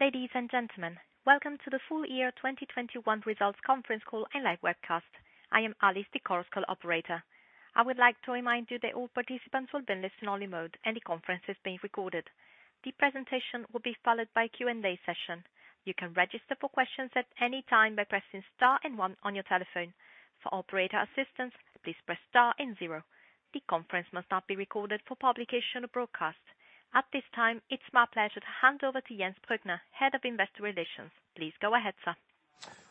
Ladies and gentlemen, welcome to the full year 2021 results conference call and live webcast. I am Alice, the conference call operator. I would like to remind you that all participants will be in listen only mode, and the conference is being recorded. The presentation will be followed by Q&A session. You can register for questions at any time by pressing star and one on your telephone. For operator assistance, please press star and zero. The conference must not be recorded for publication or broadcast. At this time, it's my pleasure to hand over to Jens Brueckner, Head of Investor Relations. Please go ahead, sir.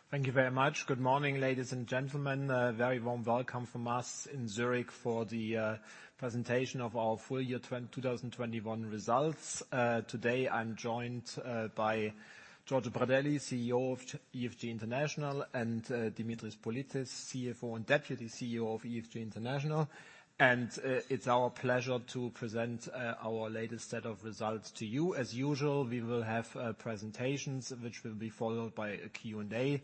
Thank you very much. Good morning, ladies and gentlemen. A very warm welcome from us in Zurich for the presentation of our full year 2021 results. Today I'm joined by Giorgio Pradelli, CEO of EFG International, and Dimitris Politis, CFO and Deputy CEO of EFG International. It's our pleasure to present our latest set of results to you. As usual, we will have presentations, which will be followed by a Q&A,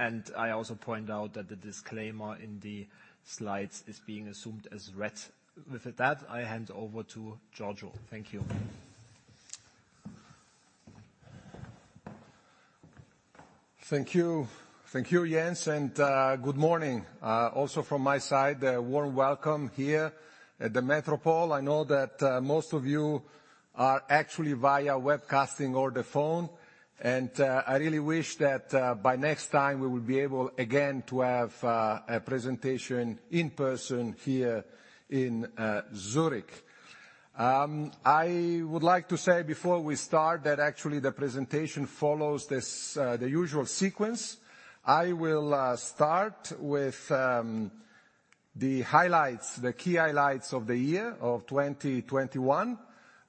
and I also point out that the disclaimer in the slides is being assumed as read. With that, I hand over to Giorgio. Thank you. Thank you, Jens, and good morning. Also from my side, a warm welcome here at the Metropolitan. I know that most of you are actually via webcasting or the phone, and I really wish that by next time, we will be able again to have a presentation in person here in Zurich. I would like to say before we start that actually the presentation follows the usual sequence. I will start with the highlights, the key highlights of the year of 2021.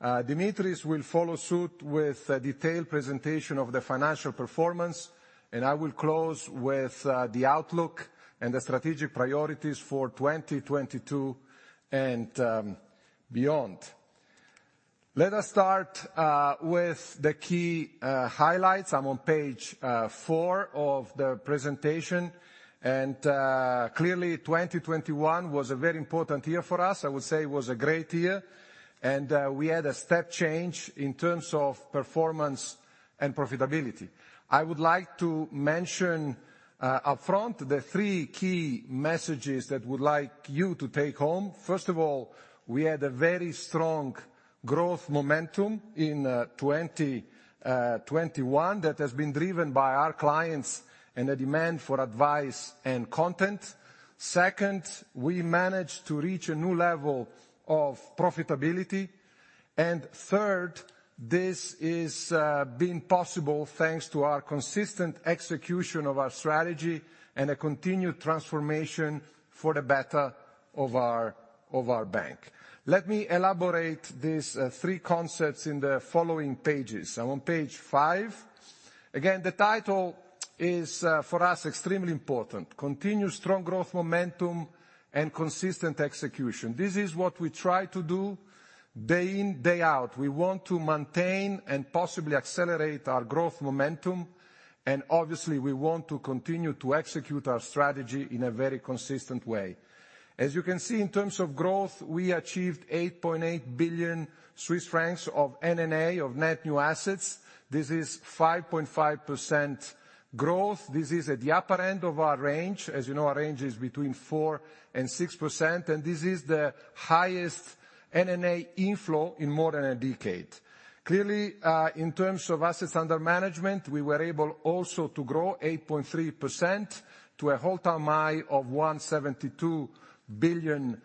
Dimitris will follow suit with a detailed presentation of the financial performance, and I will close with the outlook, and the strategic priorities for 2022 and beyond. Let us start with the key highlights. I'm on page four, of the presentation, and clearly 2021 was a very important year for us. I would say it was a great year, and we had a step change in terms of performance and profitability. I would like to mention upfront the three key messages that we'd like you to take home. First of all, we had a very strong growth momentum in 2021 that has been driven by our clients and a demand for advice and content. Second, we managed to reach a new level of profitability. Third, this has been possible thanks to our consistent execution of our strategy and a continued transformation for the better of our bank. Let me elaborate these three concepts in the following pages. I'm on page five. Again, the title is for us extremely important. Continued strong growth momentum and consistent execution. This is what we try to do day in, day out. We want to maintain, and possibly accelerate our growth momentum, and obviously, we want to continue to execute our strategy in a very consistent way. As you can see, in terms of growth, we achieved 8.8 billion Swiss francs of NNA, of net new assets. This is 5.5% growth. This is at the upper end of our range. As you know, our range is between 4% and 6%, and this is the highest NNA inflow in more than a decade. Clearly, in terms of assets under management, we were able also to grow 8.3% to an all-time high of 172 billion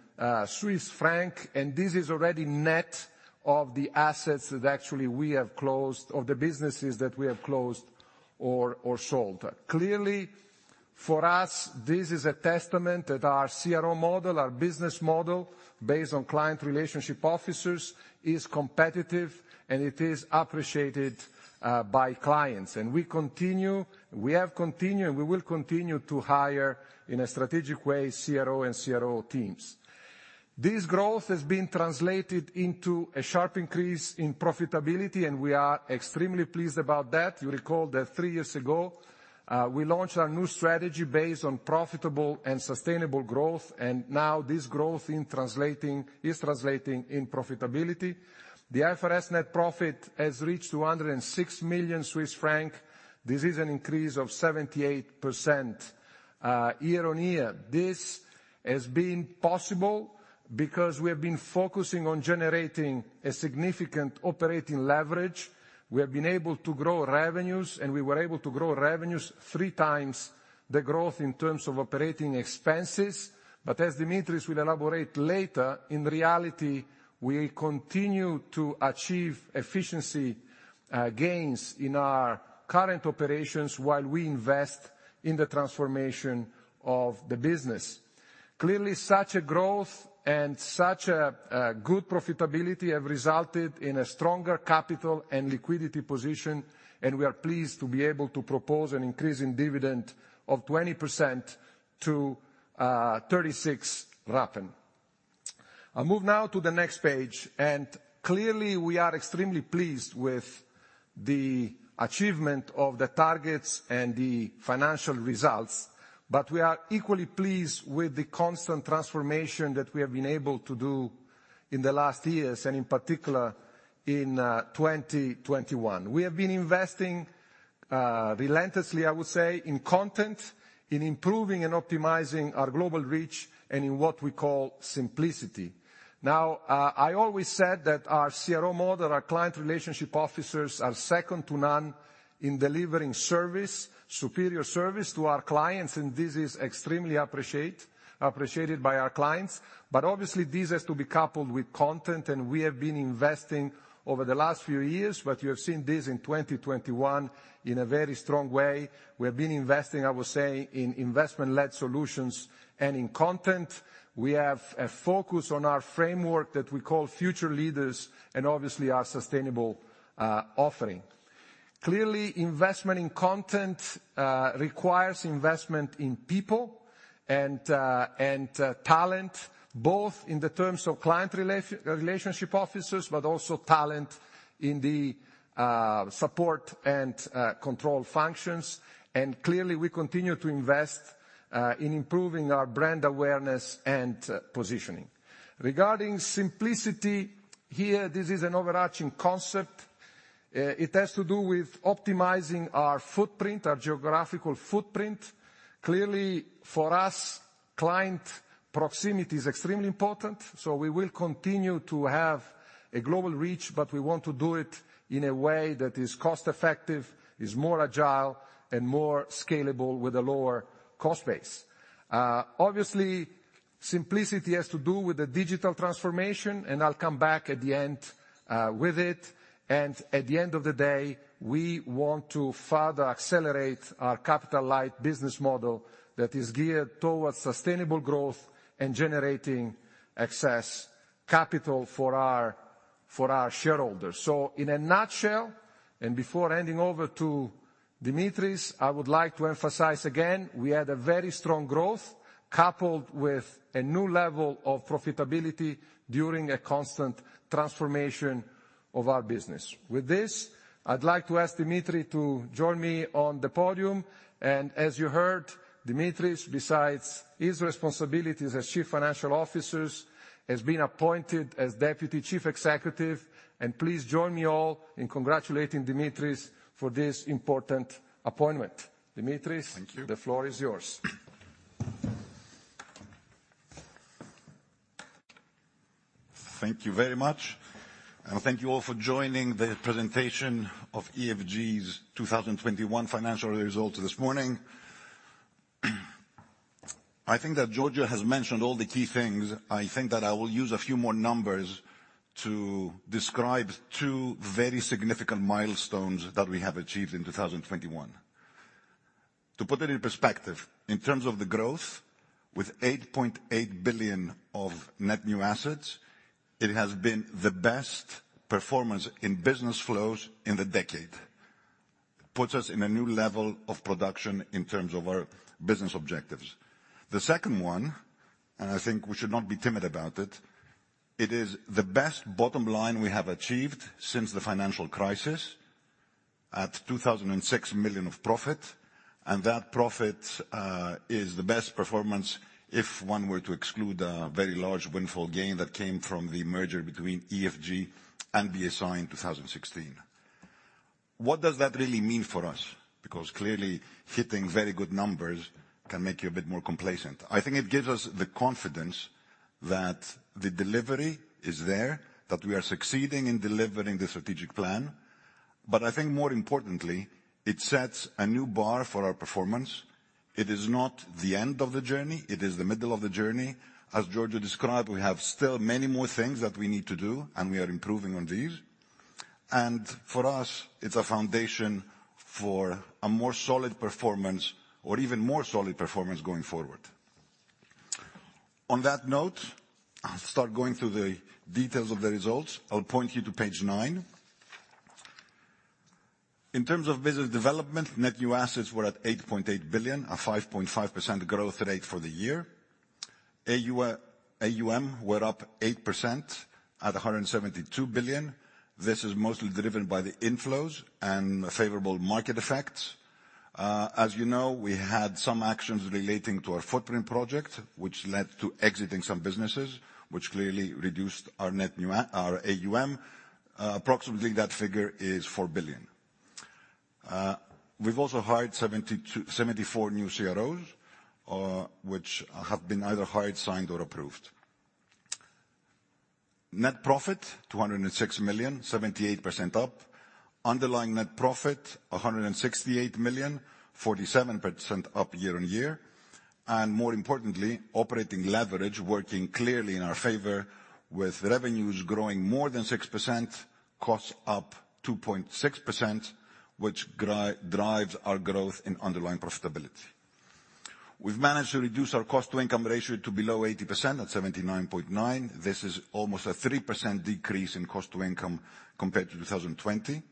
Swiss franc, and this is already net of the assets that actually we have closed, of the businesses that we have closed or sold. Clearly, for us, this is a testament that our CRO model, our business model, based on client relationship officers, is competitive, and it is appreciated by clients. We continue, we have continued, and we will continue to hire in a strategic way, CRO and CRO teams. This growth has been translated into a sharp increase in profitability, and we are extremely pleased about that. You recall that three years ago, we launched our new strategy based on profitable and sustainable growth. Now this growth is translating in profitability. The IFRS net profit has reached 206 million Swiss francs. This is an increase of 78% year-on-year. This has been possible because we have been focusing on generating a significant operating leverage. We have been able to grow revenues, and we were able to grow revenues 3x the growth in terms of operating expenses. As Dimitris will elaborate later, in reality, we continue to achieve efficiency gains in our current operations while we invest in the transformation of the business. Clearly, such a growth and such a good profitability have resulted in a stronger capital, and liquidity position, and we are pleased to be able to propose an increase in dividend of 20% to CHF 0.36. I move now to the next page, and clearly we are extremely pleased with the achievement of the targets and the financial results, but we are equally pleased with the constant transformation that we have been able to do in the last years, and in particular, in 2021. We have been investing relentlessly, I would say, in content, in improving and optimizing our global reach, and in what we call simplicity. Now, I always said that our CRO model, our client relationship officers, are second to none in delivering service, superior service to our clients, and this is extremely appreciated by our clients. Obviously this has to be coupled with content, and we have been investing over the last few years, but you have seen this in 2021 in a very strong way. We have been investing, I would say, in investment-led solutions and in content. We have a focus on our framework that we call Future Leaders, and obviously our sustainable offering. Clearly, investment in content requires investment in people and talent, both in terms of client relationship officers, but also talent in the support and control functions. Clearly we continue to invest in improving our brand awareness and positioning. Regarding simplicity here, this is an overarching concept. It has to do with optimizing our footprint, our geographical footprint. Clearly, for us, client proximity is extremely important, so we will continue to have a global reach, but we want to do it in a way that is cost effective, is more agile, and more scalable with a lower cost base. Obviously simplicity has to do with the digital transformation, and I'll come back at the end with it. At the end of the day, we want to further accelerate our capital light business model that is geared towards sustainable growth, and generating excess capital for our shareholders. In a nutshell, and before handing over to Dimitris, I would like to emphasize again, we had a very strong growth coupled with a new level of profitability during a constant transformation of our business. With this, I'd like to ask Dimitris to join me on the podium. As you heard, Dimitris, besides his responsibilities as Chief Financial Officer, has been appointed as Deputy Chief Executive. Please join me all in congratulating Dimitris for this important appointment. Dimitris- Thank you. The floor is yours. Thank you very much, and thank you all for joining the presentation of EFG's 2021 financial results this morning. I think that Giorgio has mentioned all the key things. I think that I will use a few more numbers to describe two very significant milestones that we have achieved in 2021. To put it in perspective, in terms of the growth, with 8.8 billion of net new assets, it has been the best performance in business flows in the decade. Puts us in a new level of production in terms of our business objectives. The second one, and I think we should not be timid about it is the best bottom line we have achieved since the financial crisis at 206 million of profit, and that profit is the best performance if one were to exclude a very large windfall gain that came from the merger between EFG and BSI in 2016. What does that really mean for us? Because clearly hitting very good numbers can make you a bit more complacent. I think it gives us the confidence that the delivery is there, that we are succeeding in delivering the strategic plan. I think more importantly, it sets a new bar for our performance. It is not the end of the journey, it is the middle of the journey. As Giorgio described, we have still many more things that we need to do, and we are improving on these. For us, it's a foundation for a more solid performance or even more solid performance going forward. On that note, I'll start going through the details of the results. I'll point you to page nine. In terms of business development, net new assets were at 8.8 billion, a 5.5% growth rate for the year. AUA, AUM were up 8% at 172 billion. This is mostly driven by the inflows and favorable market effects. As you know, we had some actions relating to our footprint project, which led to exiting some businesses, which clearly reduced our AUM. Approximately that figure is 4 billion. We've also hired 72-74 new CROs, which have been either hired, signed, or approved. Net profit, 206 million, 78% up. Underlying net profit, 168 million, 47% up year-over-year. More importantly, operating leverage working clearly in our favor with revenues growing more than 6%, costs up 2.6%, which drives our growth in underlying profitability. We've managed to reduce our cost to income ratio to below 80% at 79.9%. This is almost a 3% decrease in cost to income compared to 2020.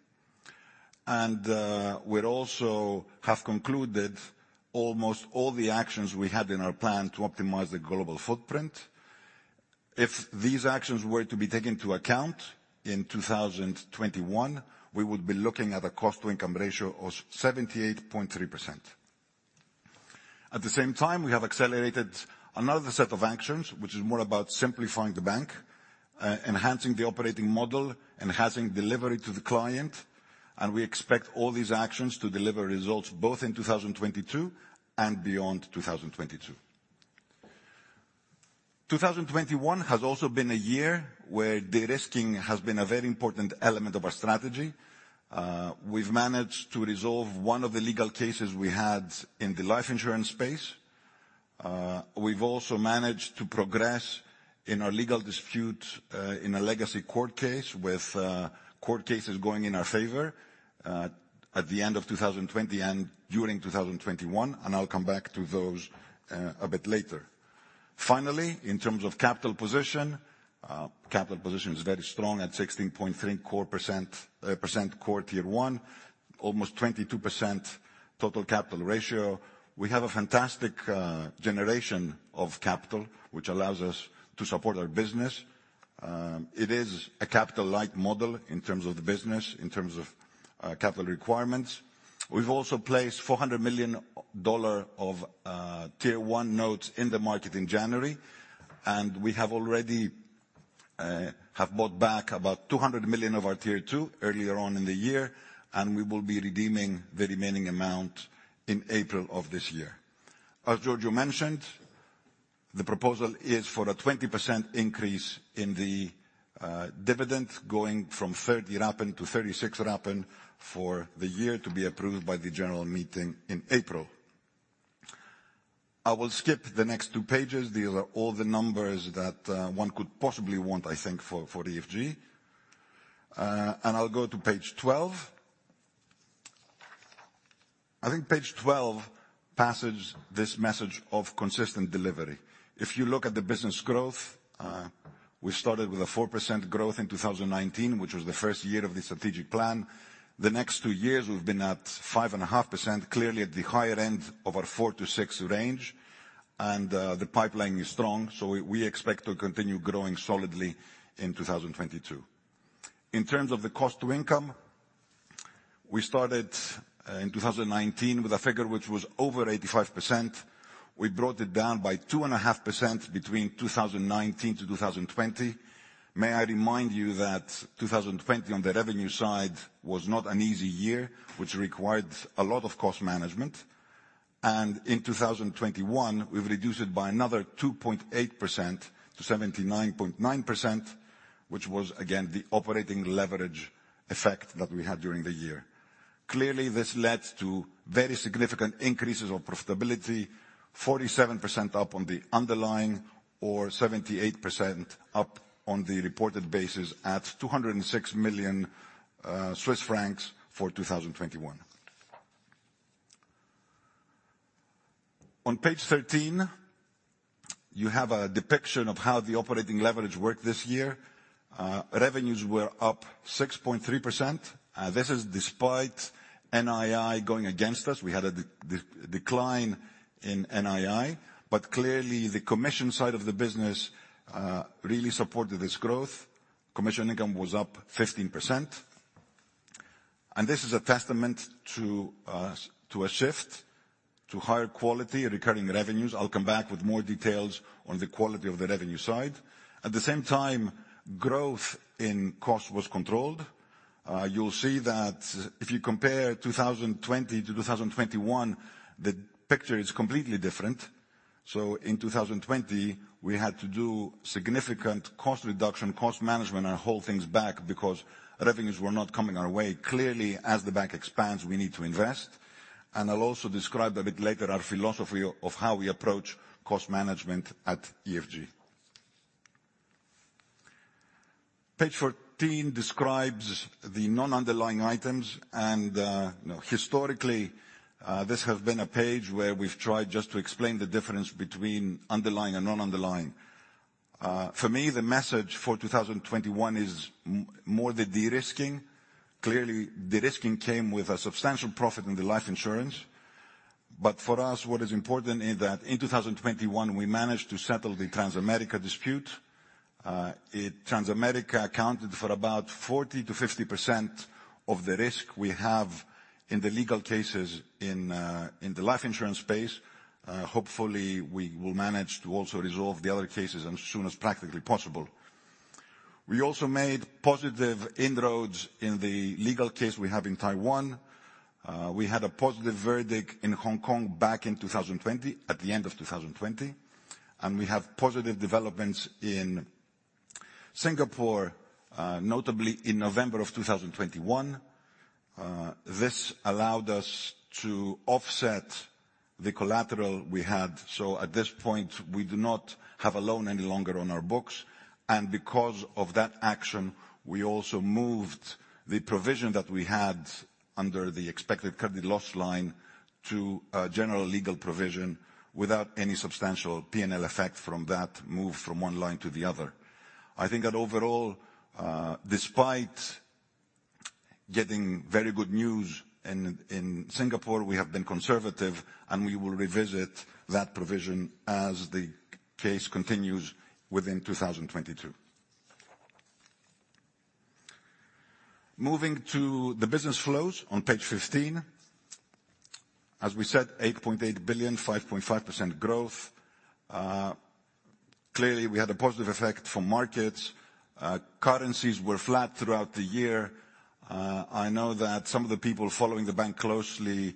We have also concluded almost all the actions we had in our plan to optimize the global footprint. If these actions were to be taken into account in 2021, we would be looking at a cost-to-income ratio of 78.3%. At the same time, we have accelerated another set of actions, which is more about simplifying the bank, enhancing the operating model, enhancing delivery to the client, and we expect all these actions to deliver results both in 2022 and beyond 2022. 2021 has also been a year where de-risking has been a very important element of our strategy. We've managed to resolve one of the legal cases we had in the life insurance space. We've also managed to progress in our legal dispute, in a legacy court case with court cases going in our favor, at the end of 2020 and during 2021, and I'll come back to those, a bit later. Finally, in terms of capital position, it is very strong at 16.3% Core Tier 1, almost 22% total capital ratio. We have a fantastic generation of capital, which allows us to support our business. It is a capital light model in terms of the business, in terms of capital requirements. We've also placed $400 million of Tier 1 notes in the market in January, and we have already bought back about 200 million of our Tier 2 earlier on in the year, and we will be redeeming the remaining amount in April of this year. As Giorgio mentioned, the proposal is for a 20% increase in the dividend going from 0.30 to 0.36 for the year to be approved by the general meeting in April. I will skip the next two pages. These are all the numbers that one could possibly want, I think, for EFG. I'll go to page 12. I think page 12 passes this message of consistent delivery. If you look at the business growth, we started with a 4% growth in 2019, which was the first year of the strategic plan. The next two years, we've been at 5.5%, clearly at the higher end of our 4%-6% range, and the pipeline is strong, so we expect to continue growing solidly in 2022. In terms of the cost to income, we started in 2019 with a figure which was over 85%. We brought it down by 2.5% between 2019 to 2020. May I remind you that 2020 on the revenue side was not an easy year, which required a lot of cost management. In 2021, we've reduced it by another 2.8% to 79.9%, which was again the operating leverage effect that we had during the year. Clearly, this led to very significant increases of profitability, 47% up on the underlying or 78% up on the reported basis at 206 million Swiss francs for 2021. On page 13, you have a depiction of how the operating leverage worked this year. Revenues were up 6.3%. This is despite NII going against us. We had a decline in NII, but clearly the commission side of the business really supported this growth. Commission income was up 15%. This is a testament to a shift to higher quality recurring revenues. I'll come back with more details on the quality of the revenue side. At the same time, growth in cost was controlled. You'll see that if you compare 2020 to 2021, the picture is completely different. In 2020, we had to do significant cost reduction, cost management, and hold things back because revenues were not coming our way. Clearly, as the bank expands, we need to invest. I'll also describe a bit later our philosophy of how we approach cost management at EFG. Page 14 describes the non-underlying items and, you know, historically, this has been a page where we've tried just to explain the difference between underlying and non-underlying. For me, the message for 2021 is more the de-risking. Clearly, de-risking came with a substantial profit in the life insurance. For us, what is important is that in 2021, we managed to settle the Transamerica dispute. Transamerica accounted for about 40%-50% of the risk we have in the legal cases in the life insurance space. Hopefully, we will manage to also resolve the other cases as soon as practically possible. We also made positive inroads in the legal case we have in Taiwan. We had a positive verdict in Hong Kong back in 2020, at the end of 2020, and we have positive developments in Singapore, notably in November 2021. This allowed us to offset the collateral we had. At this point, we do not have a loan any longer on our books, and because of that action, we also moved the provision that we had under the expected credit loss line to a general legal provision without any substantial P&L effect from that move from one line to the other. I think that overall, despite getting very good news in Singapore, we have been conservative, and we will revisit that provision as the case continues within 2022. Moving to the business flows on page 15. As we said, 8.8 billion, 5.5% growth. Clearly, we had a positive effect from markets. Currencies were flat throughout the year. I know that some of the people following the bank closely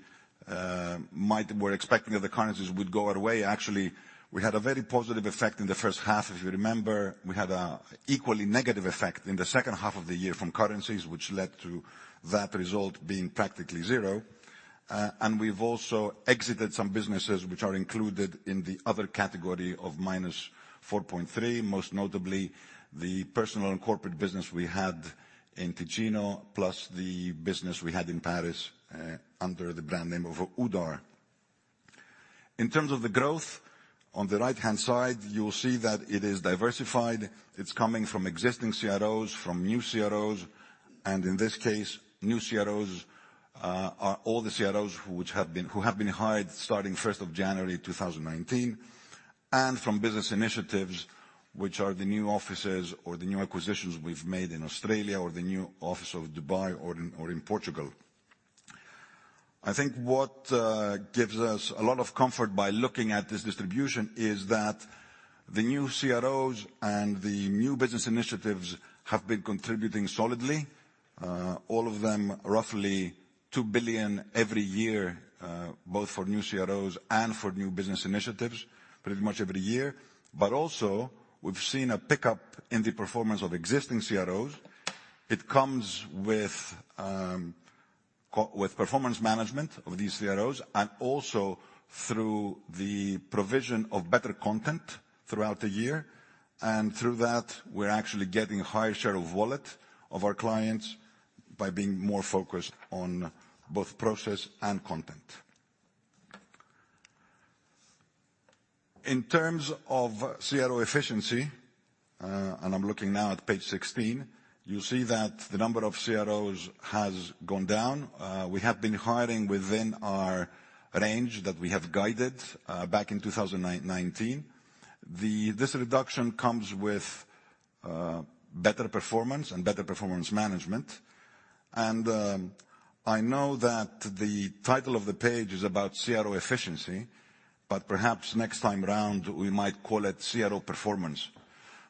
were expecting that the currencies would go our way. Actually, we had a very positive effect in the first half. If you remember, we had an equally negative effect in the second half of the year from currencies, which led to that result being practically zero. We've also exited some businesses which are included in the other category of -4.3, most notably the personal and corporate business we had in Ticino, plus the business we had in Paris under the brand name of Oudart. In terms of the growth, on the right-hand side, you'll see that it is diversified. It's coming from existing CROs, from new CROs, and in this case, new CROs are all the CROs who have been hired starting January 1, 2019. From business initiatives, which are the new offices or the new acquisitions we've made in Australia or the new office of Dubai or in Portugal. I think what gives us a lot of comfort by looking at this distribution is that the new CROs and the new business initiatives have been contributing solidly. All of them roughly 2 billion every year, both for new CROs and for new business initiatives, pretty much every year. Also, we've seen a pickup in the performance of existing CROs. It comes with performance management of these CROs and also through the provision of better content throughout the year. Through that, we're actually getting higher share of wallet of our clients by being more focused on both process and content. In terms of CRO efficiency, I'm looking now at page 16, you see that the number of CROs has gone down. We have been hiring within our range that we have guided back in 2019. This reduction comes with better performance and better performance management. I know that the title of the page is about CRO efficiency, but perhaps next time round, we might call it CRO performance,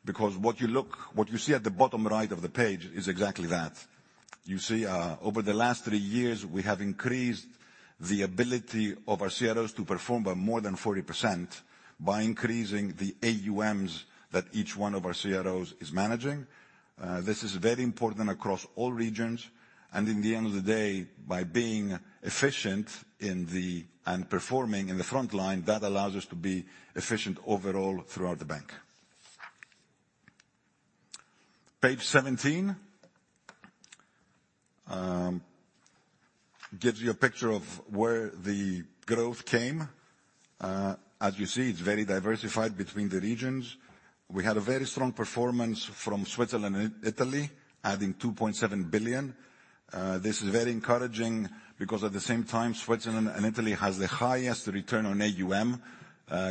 because what you see at the bottom right of the page is exactly that. You see, over the last three years, we have increased the ability of our CROs to perform by more than 40% by increasing the AUMs that each one of our CROs is managing. This is very important across all regions. In the end of the day, by being efficient in the Performing in the front line, that allows us to be efficient overall throughout the bank. Page 17 gives you a picture of where the growth came. As you see, it's very diversified between the regions. We had a very strong performance from Switzerland and Italy, adding 2.7 billion. This is very encouraging because at the same time, Switzerland and Italy has the highest return on AUM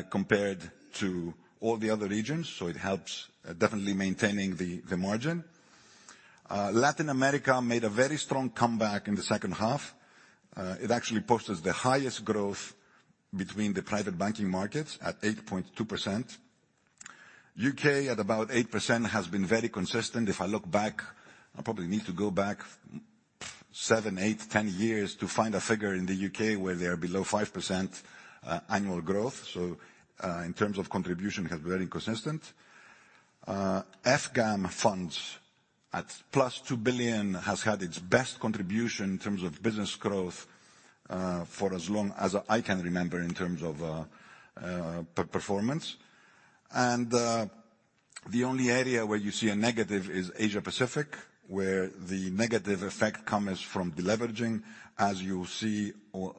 compared to all the other regions, so it helps definitely maintaining the margin. Latin America made a very strong comeback in the second half. It actually posted the highest growth between the private banking markets at 8.2%. U.K., at about 8%, has been very consistent. If I look back, I probably need to go back seven, eight, 10 years to find a figure in the U.K. where they are below 5% annual growth. In terms of contribution, have been very consistent. EFGAM funds at +2 billion has had its best contribution in terms of business growth for as long as I can remember in terms of performance. The only area where you see a negative is Asia Pacific, where the negative effect comes from deleveraging. As you see on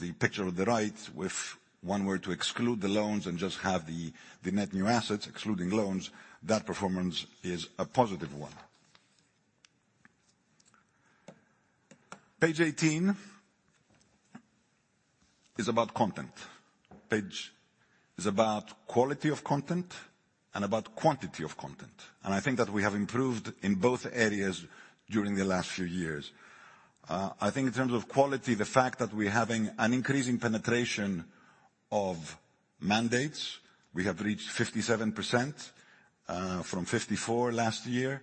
the picture on the right, if one were to exclude the loans and just have the net new assets excluding loans, that performance is a positive one. Page 18 is about content. Page is about quality of content and about quantity of content, and I think that we have improved in both areas during the last few years. I think in terms of quality, the fact that we're having an increasing penetration of mandates, we have reached 57%, from 54 last year,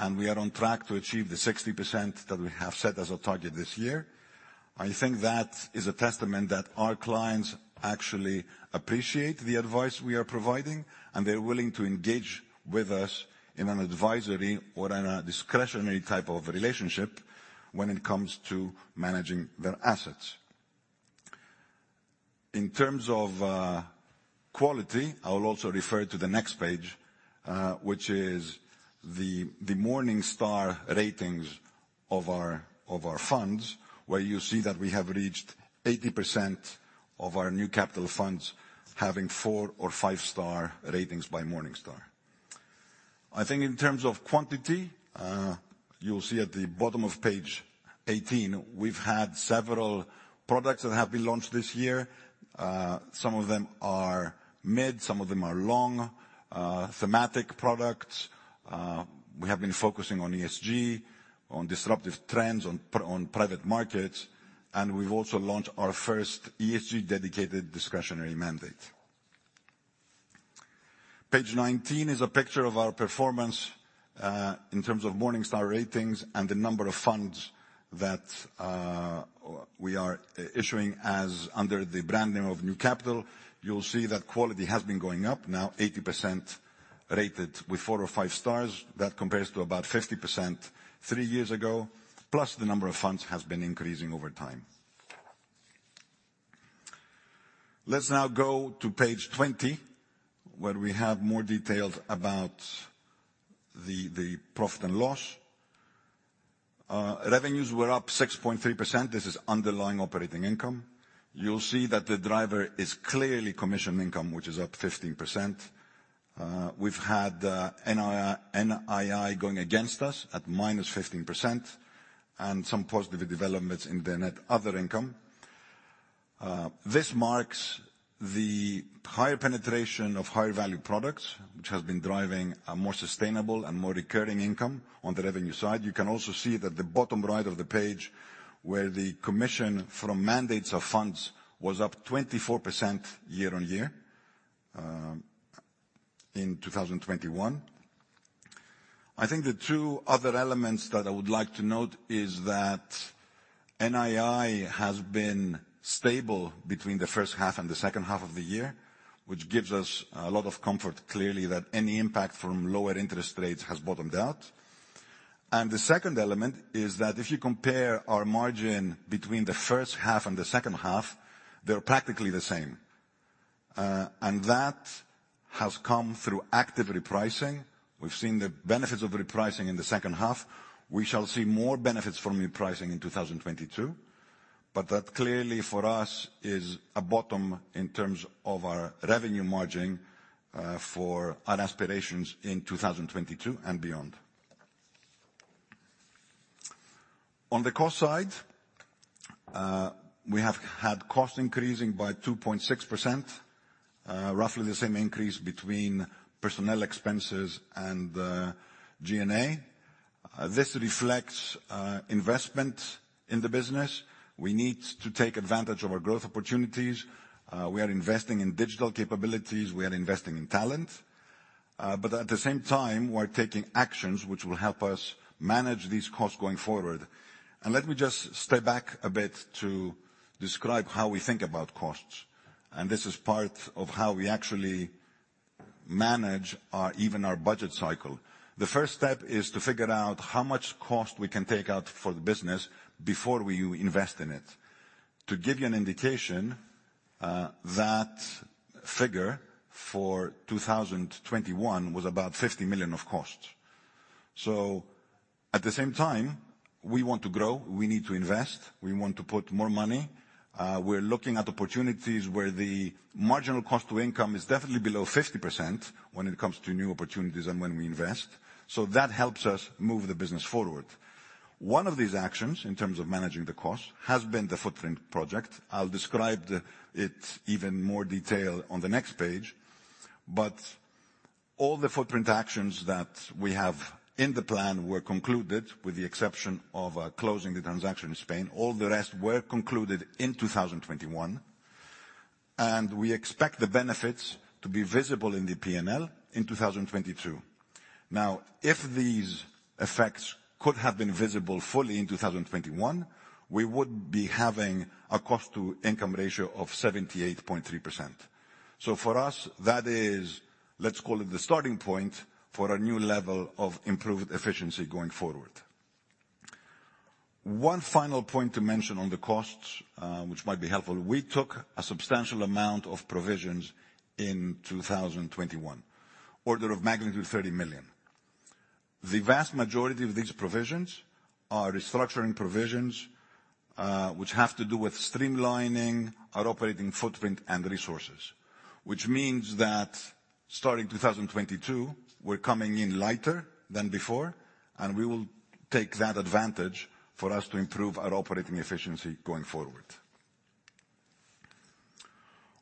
and we are on track to achieve the 60% that we have set as a target this year. I think that is a testament that our clients actually appreciate the advice we are providing, and they're willing to engage with us in an advisory or in a discretionary type of relationship when it comes to managing their assets. In terms of quality, I will also refer to the next page, which is the Morningstar ratings of our funds, where you see that we have reached 80% of our New Capital funds having four- or five-star ratings by Morningstar. I think in terms of quantity, you'll see at the bottom of page 18, we've had several products that have been launched this year. Some of them are mid, some of them are long, thematic products. We have been focusing on ESG, on disruptive trends on private markets, and we've also launched our first ESG dedicated discretionary mandate. Page 19 is a picture of our performance, in terms of Morningstar ratings and the number of funds that we are issuing under the brand name of New Capital. You'll see that quality has been going up, now 80% rated with four or five stars. That compares to about 50% three years ago, plus the number of funds has been increasing over time. Let's now go to page 20, where we have more details about the profit and loss. Revenues were up 6.3%. This is underlying operating income. You'll see that the driver is clearly commission income, which is up 15%. We've had NII going against us at -15% and some positive developments in the net other income. This marks the higher penetration of higher value products, which has been driving a more sustainable and more recurring income on the revenue side. You can also see that the bottom right of the page, where the commission from mandates of funds was up 24% year-on-year in 2021. I think the two other elements that I would like to note is that NII has been stable between the first half and the second half of the year, which gives us a lot of comfort, clearly, that any impact from lower interest rates has bottomed out. The second element is that if you compare our margin between the first half and the second half, they're practically the same. That has come through active repricing. We've seen the benefits of repricing in the second half. We shall see more benefits from repricing in 2022, but that clearly for us is a bottom in terms of our revenue margin for our aspirations in 2022 and beyond. On the cost side, we have had cost increasing by 2.6%, roughly the same increase between personnel expenses and G&A. This reflects investment in the business. We need to take advantage of our growth opportunities. We are investing in digital capabilities, we are investing in talent. But at the same time, we're taking actions which will help us manage these costs going forward. Let me just step back a bit to describe how we think about costs. This is part of how we actually manage our budget cycle. The first step is to figure out how much cost we can take out for the business before we invest in it. To give you an indication, that figure for 2021 was about 50 million of costs. At the same time, we want to grow, we need to invest, we want to put more money. We're looking at opportunities where the marginal cost to income is definitely below 50% when it comes to new opportunities and when we invest. That helps us move the business forward. One of these actions in terms of managing the cost has been the footprint project. I'll describe it in even more detail on the next page, but all the footprint actions that we have in the plan were concluded, with the exception of closing the transaction in Spain. All the rest were concluded in 2021, and we expect the benefits to be visible in the P&L in 2022. Now, if these effects could have been visible fully in 2021, we would be having a cost to income ratio of 78.3%. For us, that is, let's call it the starting point for a new level of improved efficiency going forward. One final point to mention on the costs, which might be helpful, we took a substantial amount of provisions in 2021, order of magnitude 30 million. The vast majority of these provisions are restructuring provisions, which have to do with streamlining our operating footprint and resources. Which means that starting 2022, we're coming in lighter than before, and we will take that advantage for us to improve our operating efficiency going forward.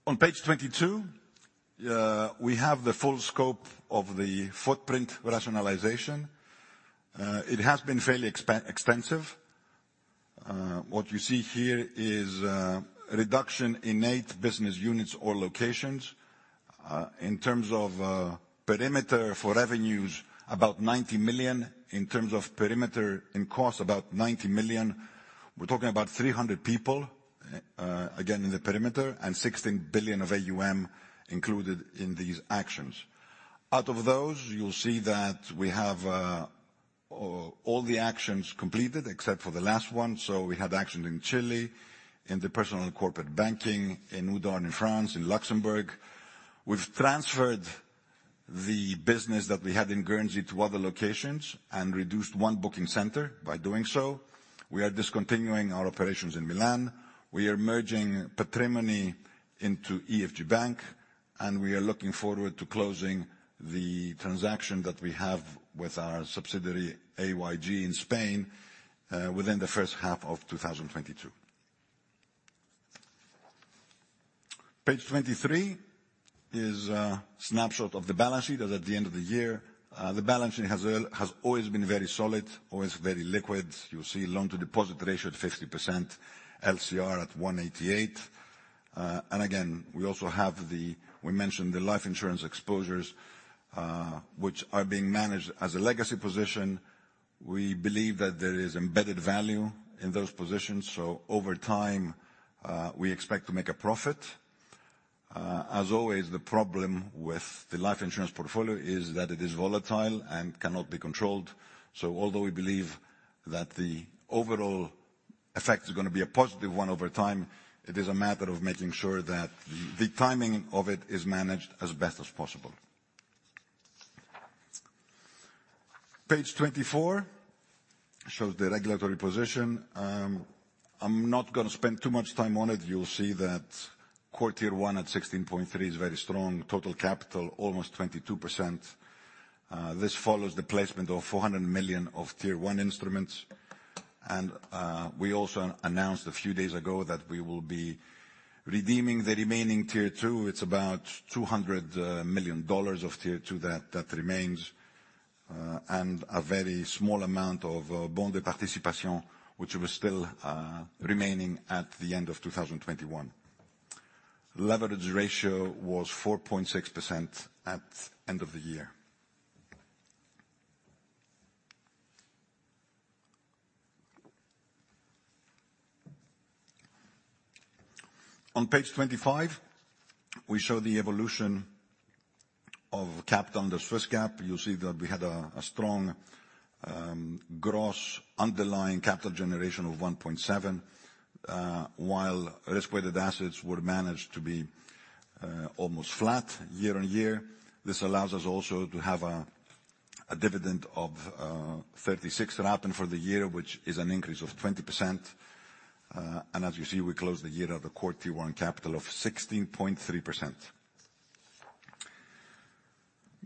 On page 22, we have the full scope of the footprint rationalization. It has been fairly extensive. What you see here is a reduction in eight business units or locations. In terms of perimeter for revenues, about 90 million. In terms of perimeter and cost, about 90 million. We're talking about 300 people, again, in the perimeter, and 16 billion of AUM included in these actions. Out of those, you'll see that we have all the actions completed except for the last one. We have action in Chile, in the personal and corporate banking, in Houdan in France, in Luxembourg. We've transferred the business that we had in Guernsey to other locations and reduced one booking center by doing so. We are discontinuing our operations in Milan. We are merging Patrimony into EFG Bank. We are looking forward to closing the transaction that we have with our subsidiary, A&G in Spain, within the first half of 2022. Page 23 is a snapshot of the balance sheet as at the end of the year. The balance sheet has always been very solid, always very liquid. You'll see loan to deposit ratio at 50%, LCR at 188%. Again, we mentioned the life insurance exposures, which are being managed as a legacy position. We believe that there is embedded value in those positions, so over time, we expect to make a profit. As always, the problem with the life insurance portfolio is that it is volatile and cannot be controlled. Although we believe that the overall effect is gonna be a positive one over time, it is a matter of making sure that the timing of it is managed as best as possible. Page 24 shows the regulatory position. I'm not gonna spend too much time on it. You'll see that Core Tier 1 at 16.3 is very strong. Total capital, almost 22%. This follows the placement of $400 million of Tier 1 instruments. We also announced a few days ago that we will be redeeming the remaining Tier 2. It's about $200 million of Tier 2 that remains. On page 25, we show the evolution of capital under Swiss GAAP. You'll see that we had a strong gross underlying capital generation of 1.7, while risk-weighted assets were managed to be almost flat year-on-year. This allows us also to have a dividend of 36 happen for the year, which is an increase of 20%. As you see, we closed the year at a Core Tier 1 capital of 16.3%.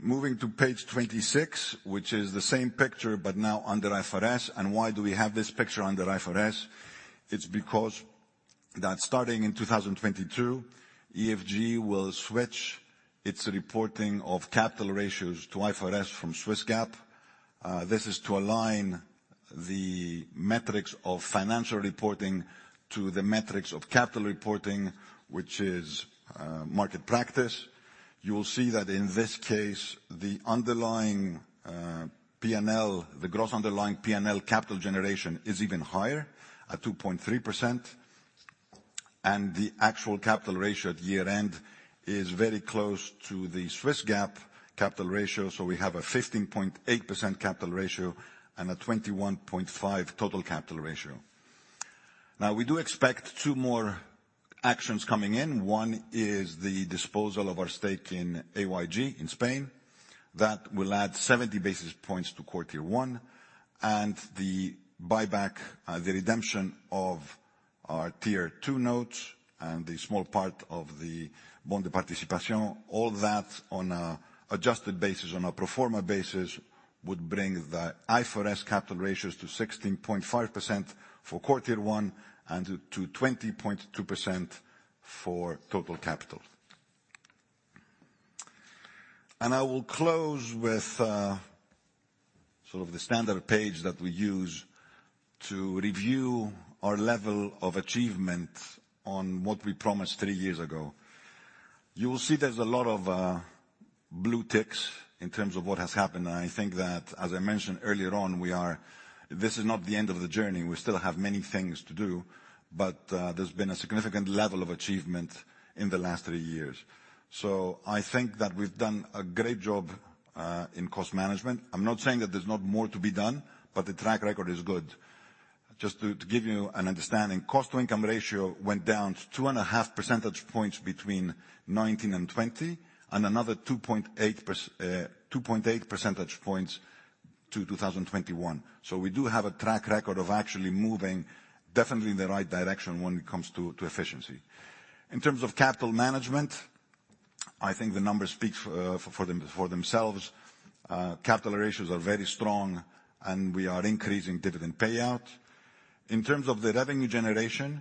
Moving to page 26, which is the same picture, but now under IFRS. Why do we have this picture under IFRS? It's because that starting in 2022, EFG will switch its reporting of capital ratios to IFRS from Swiss GAAP. This is to align the metrics of financial reporting to the metrics of capital reporting, which is market practice. You'll see that in this case, the underlying P&L, the gross underlying P&L capital generation is even higher at 2.3%, and the actual capital ratio at year-end is very close to the Swiss GAAP capital ratio. We have a 15.8% capital ratio and a 21.5% total capital ratio. Now, we do expect two more actions coming in. One is the disposal of our stake in A&G in Spain. That will add 70 basis points to Core Tier 1. And the buyback, the redemption of our Tier 2 notes and the small part of the bond participation, all that on a adjusted basis, on a pro forma basis, would bring the IFRS capital ratios to 16.5% for Core Tier 1 and to 20.2% for total capital. I will close with sort of the standard page that we use to review our level of achievement on what we promised three years ago. You will see there's a lot of blue ticks in terms of what has happened. I think that, as I mentioned earlier on, we are. This is not the end of the journey. We still have many things to do, but there's been a significant level of achievement in the last three years. I think that we've done a great job in cost management. I'm not saying that there's not more to be done, but the track record is good. Just to give you an understanding, cost to income ratio went down 2.5 percentage points between 2019 and 2020, and another 2.8 percentage points to 2021. We do have a track record of actually moving definitely in the right direction when it comes to efficiency. In terms of capital management, I think the numbers speak for themselves. Capital ratios are very strong, and we are increasing dividend payout. In terms of the revenue generation,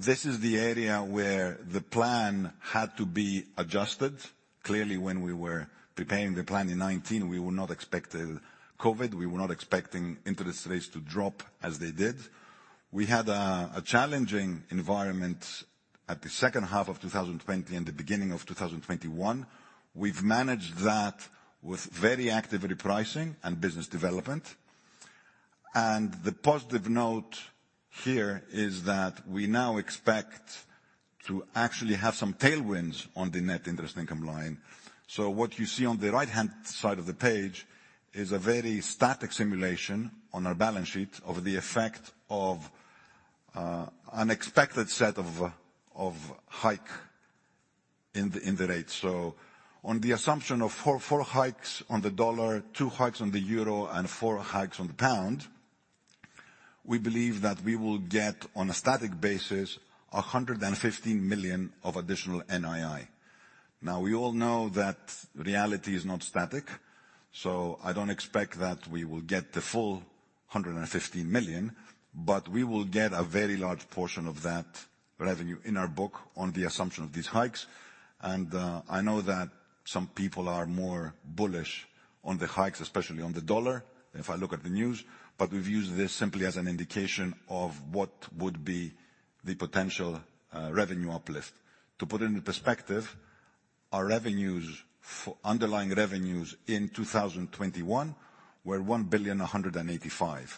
this is the area where the plan had to be adjusted. Clearly, when we were preparing the plan in 2019, we were not expecting COVID. We were not expecting interest rates to drop as they did. We had a challenging environment at the second half of 2020 and the beginning of 2021. We've managed that with very active repricing, and business development. The positive note here is that we now expect to actually have some tailwinds on the net interest income line. What you see on the right-hand side of the page is a very static simulation on our balance sheet of the effect of an expected set of hikes in the rates. On the assumption of four hikes on the dollar, two hikes on the euro, and four hikes on the pound, we believe that we will get, on a static basis, 115 million of additional NII. Now we all know that reality is not static, so I don't expect that we will get the full 115 million, but we will get a very large portion of that revenue in our book on the assumption of these hikes. I know that some people are more bullish on the hikes, especially on the dollar, if I look at the news, but we've used this simply as an indication of what would be the potential, revenue uplift. To put it into perspective, our underlying revenues in 2021 were 1,185 million.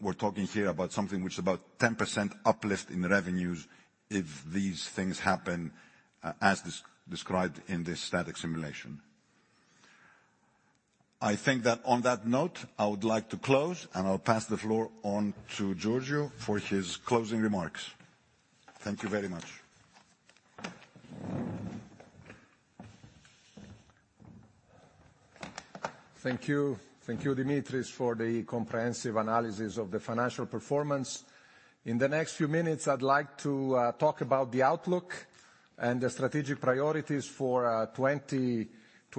We're talking here about something which is about 10% uplift in revenues if these things happen, as described in this static simulation. I think that on that note, I would like to close, and I'll pass the floor on to Giorgio for his closing remarks. Thank you very much. Thank you. Thank you, Dimitris, for the comprehensive analysis of the financial performance. In the next few minutes, I'd like to talk about the outlook and the strategic priorities for 2022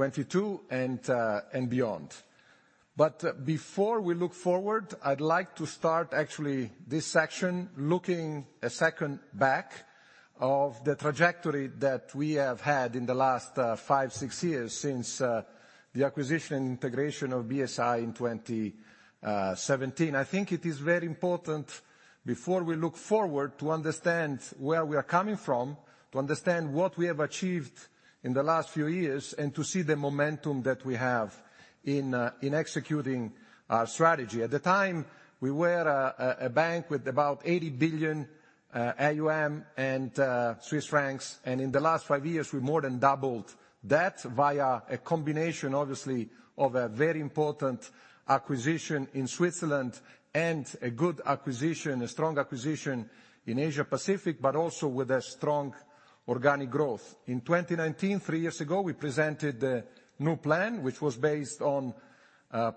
and beyond. Before we look forward, I'd like to start actually this section looking a second back of the trajectory that we have had in the last five, six years since the acquisition and integration of BSI in 2017. I think it is very important before we look forward to understand where we are coming from, to understand what we have achieved in the last few years, and to see the momentum that we have in executing our strategy. At the time, we were a bank with about 80 billion AUM and Swiss francs, and in the last five years, we more than doubled that via a combination, obviously, of a very important acquisition in Switzerland and a good acquisition, a strong acquisition in Asia-Pacific, but also with a strong organic growth. In 2019, three years ago, we presented a new plan, which was based on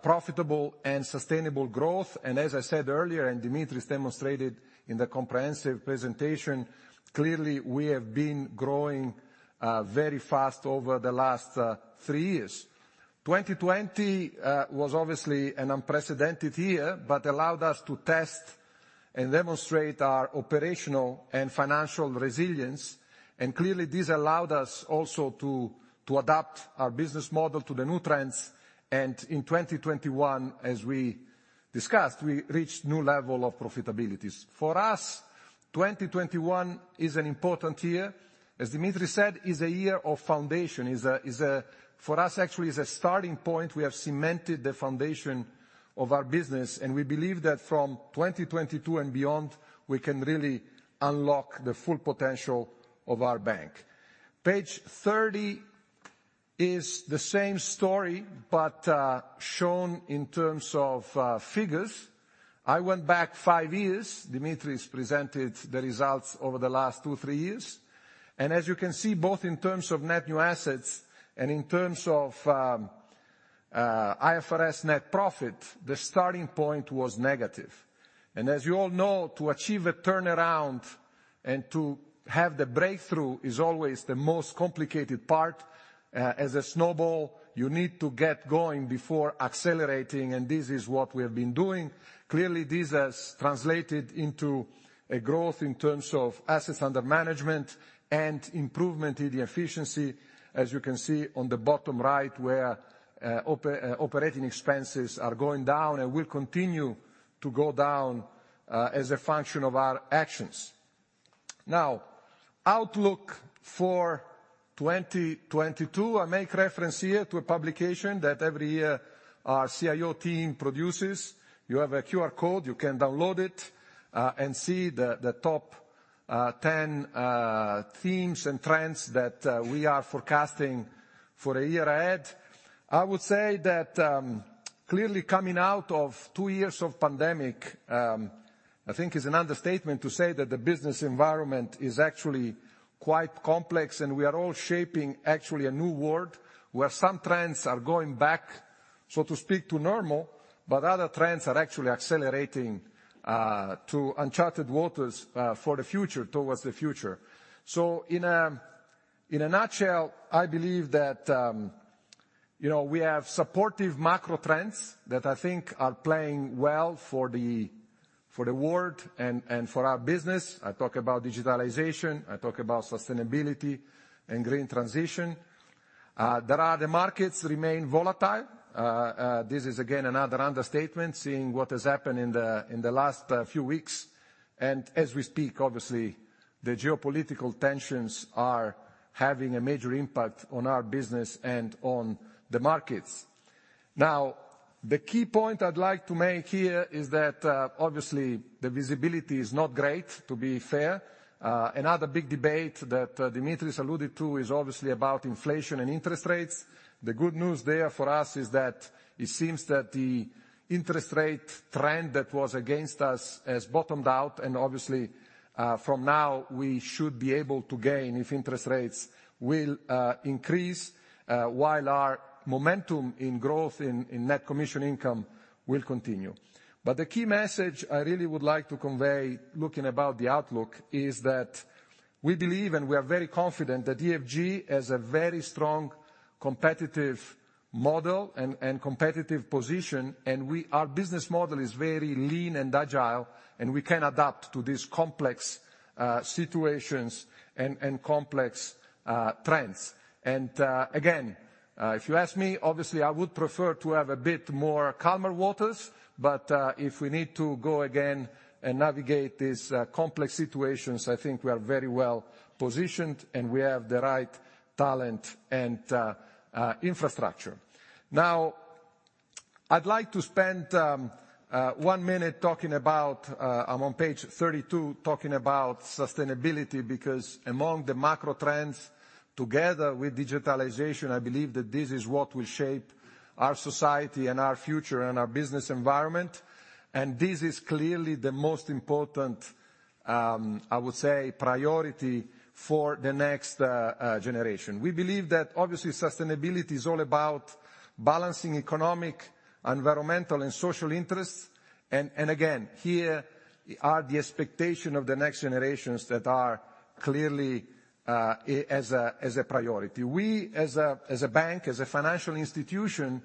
profitable and sustainable growth. As I said earlier and Dimitris demonstrated in the comprehensive presentation, clearly we have been growing very fast over the last three years. 2020 was obviously an unprecedented year, but allowed us to test and demonstrate our operational and financial resilience. Clearly, this allowed us also to adapt our business model to the new trends. In 2021, as we discussed, we reached new level of profitabilities. For us, 2021 is an important year. As Dimitris said, it is a year of foundation. For us, actually, it is a starting point. We have cemented the foundation of our business, and we believe that from 2022 and beyond, we can really unlock the full potential of our bank. Page 30 is the same story, but shown in terms of figures. I went back five years. Dimitris presented the results over the last two, three years. As you can see, both in terms of net new assets and in terms of IFRS net profit, the starting point was negative. As you all know, to achieve a turnaround and to have the breakthrough is always the most complicated part. As a snowball, you need to get going before accelerating, and this is what we have been doing. Clearly, this has translated into a growth in terms of assets under management and improvement in the efficiency, as you can see on the bottom right, where operating expenses are going down and will continue to go down as a function of our actions. Now, outlook for 2022, I make reference here to a publication that every year our CIO team produces. You have a QR code, you can download it, and see the top 10 themes and trends that we are forecasting for a year ahead. I would say that clearly coming out of two years of pandemic, I think is an understatement to say that the business environment is actually quite complex and we are all shaping actually a new world where some trends are going back, so to speak, to normal, but other trends are actually accelerating to uncharted waters for the future, towards the future. In a nutshell, I believe that you know, we have supportive macro trends that I think are playing well for the world and for our business. I talk about digitalization, I talk about sustainability and green transition. The markets remain volatile. This is again another understatement, seeing what has happened in the last few weeks. As we speak, obviously, the geopolitical tensions are having a major impact on our business and on the markets. Now, the key point I'd like to make here is that, obviously the visibility is not great, to be fair. Another big debate that Dimitris alluded to is obviously about inflation and interest rates. The good news there for us is that it seems that the interest rate trend that was against us has bottomed out, and obviously, from now we should be able to gain if interest rates will increase, while our momentum in growth in net commission income will continue. The key message I really would like to convey looking about the outlook is that we believe and we are very confident that EFG has a very strong competitive model and competitive position, and we... Our business model is very lean and agile, and we can adapt to these complex situations and complex trends. Again, if you ask me, obviously I would prefer to have a bit more calmer waters, but if we need to go again and navigate these complex situations, I think we are very well positioned, and we have the right talent and infrastructure. Now, I'd like to spend one minute talking about. I'm on page 32, talking about sustainability, because among the macro trends, together with digitalization, I believe that this is what will shape our society and our future and our business environment, and this is clearly the most important, I would say, priority for the next generation. We believe that obviously sustainability is all about balancing economic, environmental, and social interests. Here are the expectations of the next generations that are clearly a priority. We as a bank, as a financial institution,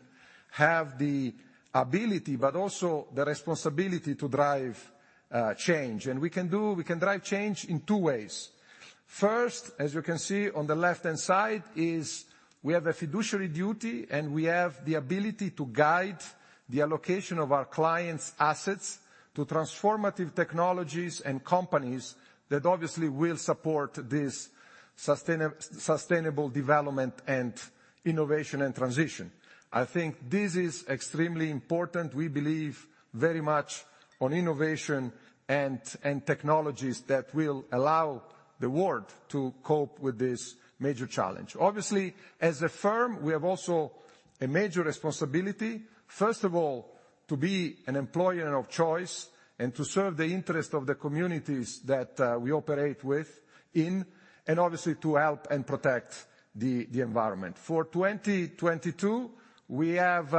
have the ability, but also the responsibility to drive change. We can drive change in two ways. First, as you can see on the left-hand side, we have a fiduciary duty, and we have the ability to guide the allocation of our clients' assets to transformative technologies and companies that obviously will support this sustainable development and innovation and transition. I think this is extremely important. We believe very much on innovation and technologies that will allow the world to cope with this major challenge. Obviously, as a firm, we have also a major responsibility, first of all, to be an employer of choice and to serve the interest of the communities that we operate with, in, and obviously to help and protect the environment. For 2022, we have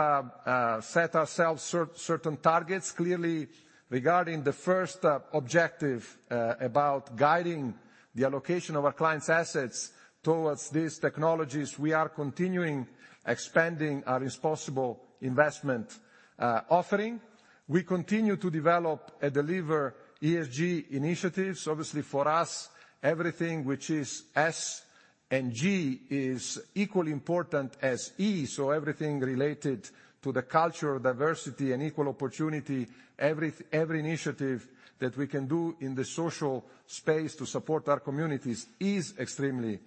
set ourselves certain targets. Clearly, regarding the first objective, about guiding the allocation of our clients' assets towards these technologies, we are continuing expanding our responsible investment offering. We continue to develop and deliver ESG initiatives. Obviously, for us, everything which is S and G is equally important as E, so everything related to the culture of diversity and equal opportunity, every initiative that we can do in the social space to support our communities is extremely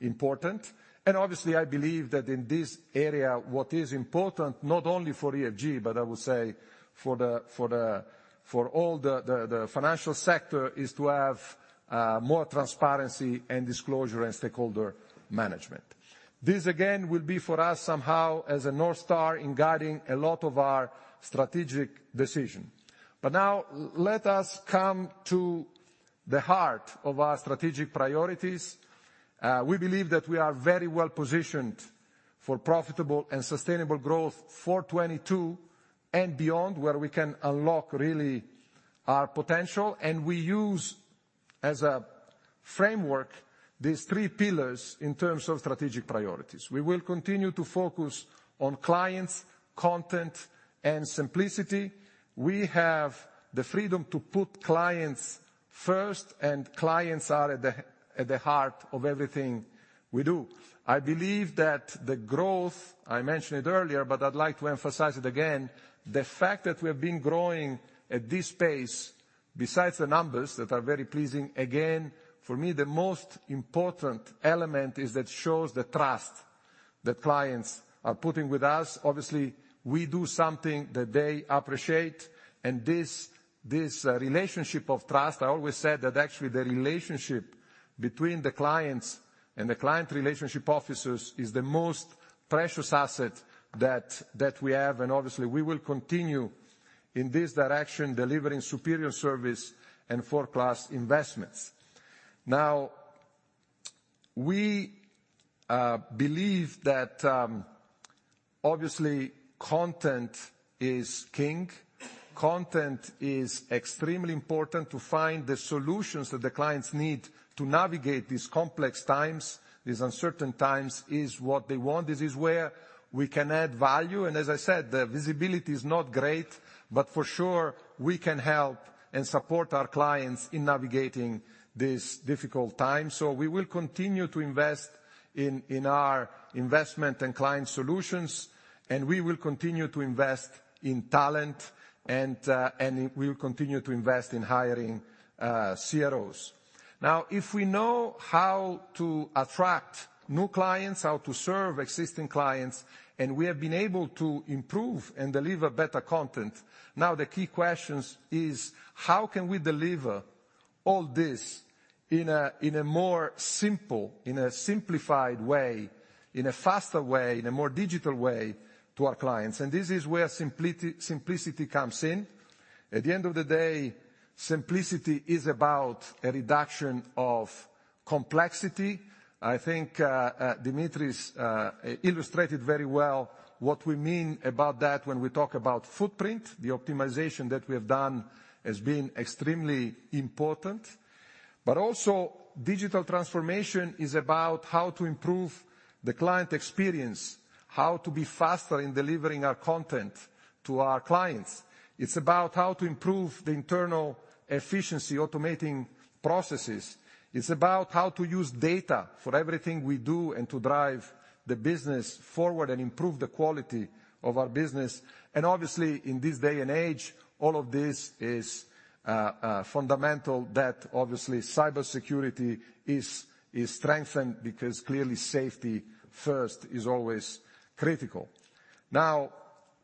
important. Obviously, I believe that in this area, what is important, not only for ESG, but I would say for the financial sector, is to have more transparency and disclosure and stakeholder management. This, again, will be for us somehow as a North Star in guiding a lot of our strategic decision. Now, let us come to the heart of our strategic priorities. We believe that we are very well positioned for profitable and sustainable growth for 2022 and beyond, where we can unlock really our potential. We use as a framework these three pillars in terms of strategic priorities. We will continue to focus on clients, content, and simplicity. We have the freedom to put clients first, and clients are at the heart of everything we do. I believe that the growth, I mentioned it earlier, but I'd like to emphasize it again, the fact that we have been growing at this pace, besides the numbers that are very pleasing, again, for me, the most important element is that shows the trust that clients are putting with us. Obviously, we do something that they appreciate, and this relationship of trust, I always said that actually the relationship between the clients and the client relationship officers is the most precious asset that we have. Obviously, we will continue in this direction, delivering superior service and world-class investments. Now, we believe that obviously content is king. Content is extremely important to find the solutions that the clients need to navigate these complex times, these uncertain times is what they want. This is where we can add value. As I said, the visibility is not great, but for sure we can help and support our clients in navigating this difficult time. We will continue to invest in our investment and client solutions, and we will continue to invest in talent, and we will continue to invest in hiring CROs. Now, if we know how to attract new clients, how to serve existing clients, and we have been able to improve and deliver better content, now the key questions is: How can we deliver all this in a more simple, simplified way, in a faster way, in a more digital way to our clients? This is where simplicity comes in. At the end of the day, simplicity is about a reduction of complexity. I think, Dimitris's illustrated very well what we mean about that when we talk about footprint. The optimization that we have done has been extremely important. Digital transformation is about how to improve the client experience. How to be faster in delivering our content to our clients. It's about how to improve the internal efficiency, automating processes. It's about how to use data for everything we do and to drive the business forward and improve the quality of our business. Obviously, in this day and age, all of this is fundamental that obviously cybersecurity is strengthened because clearly safety first is always critical. Now,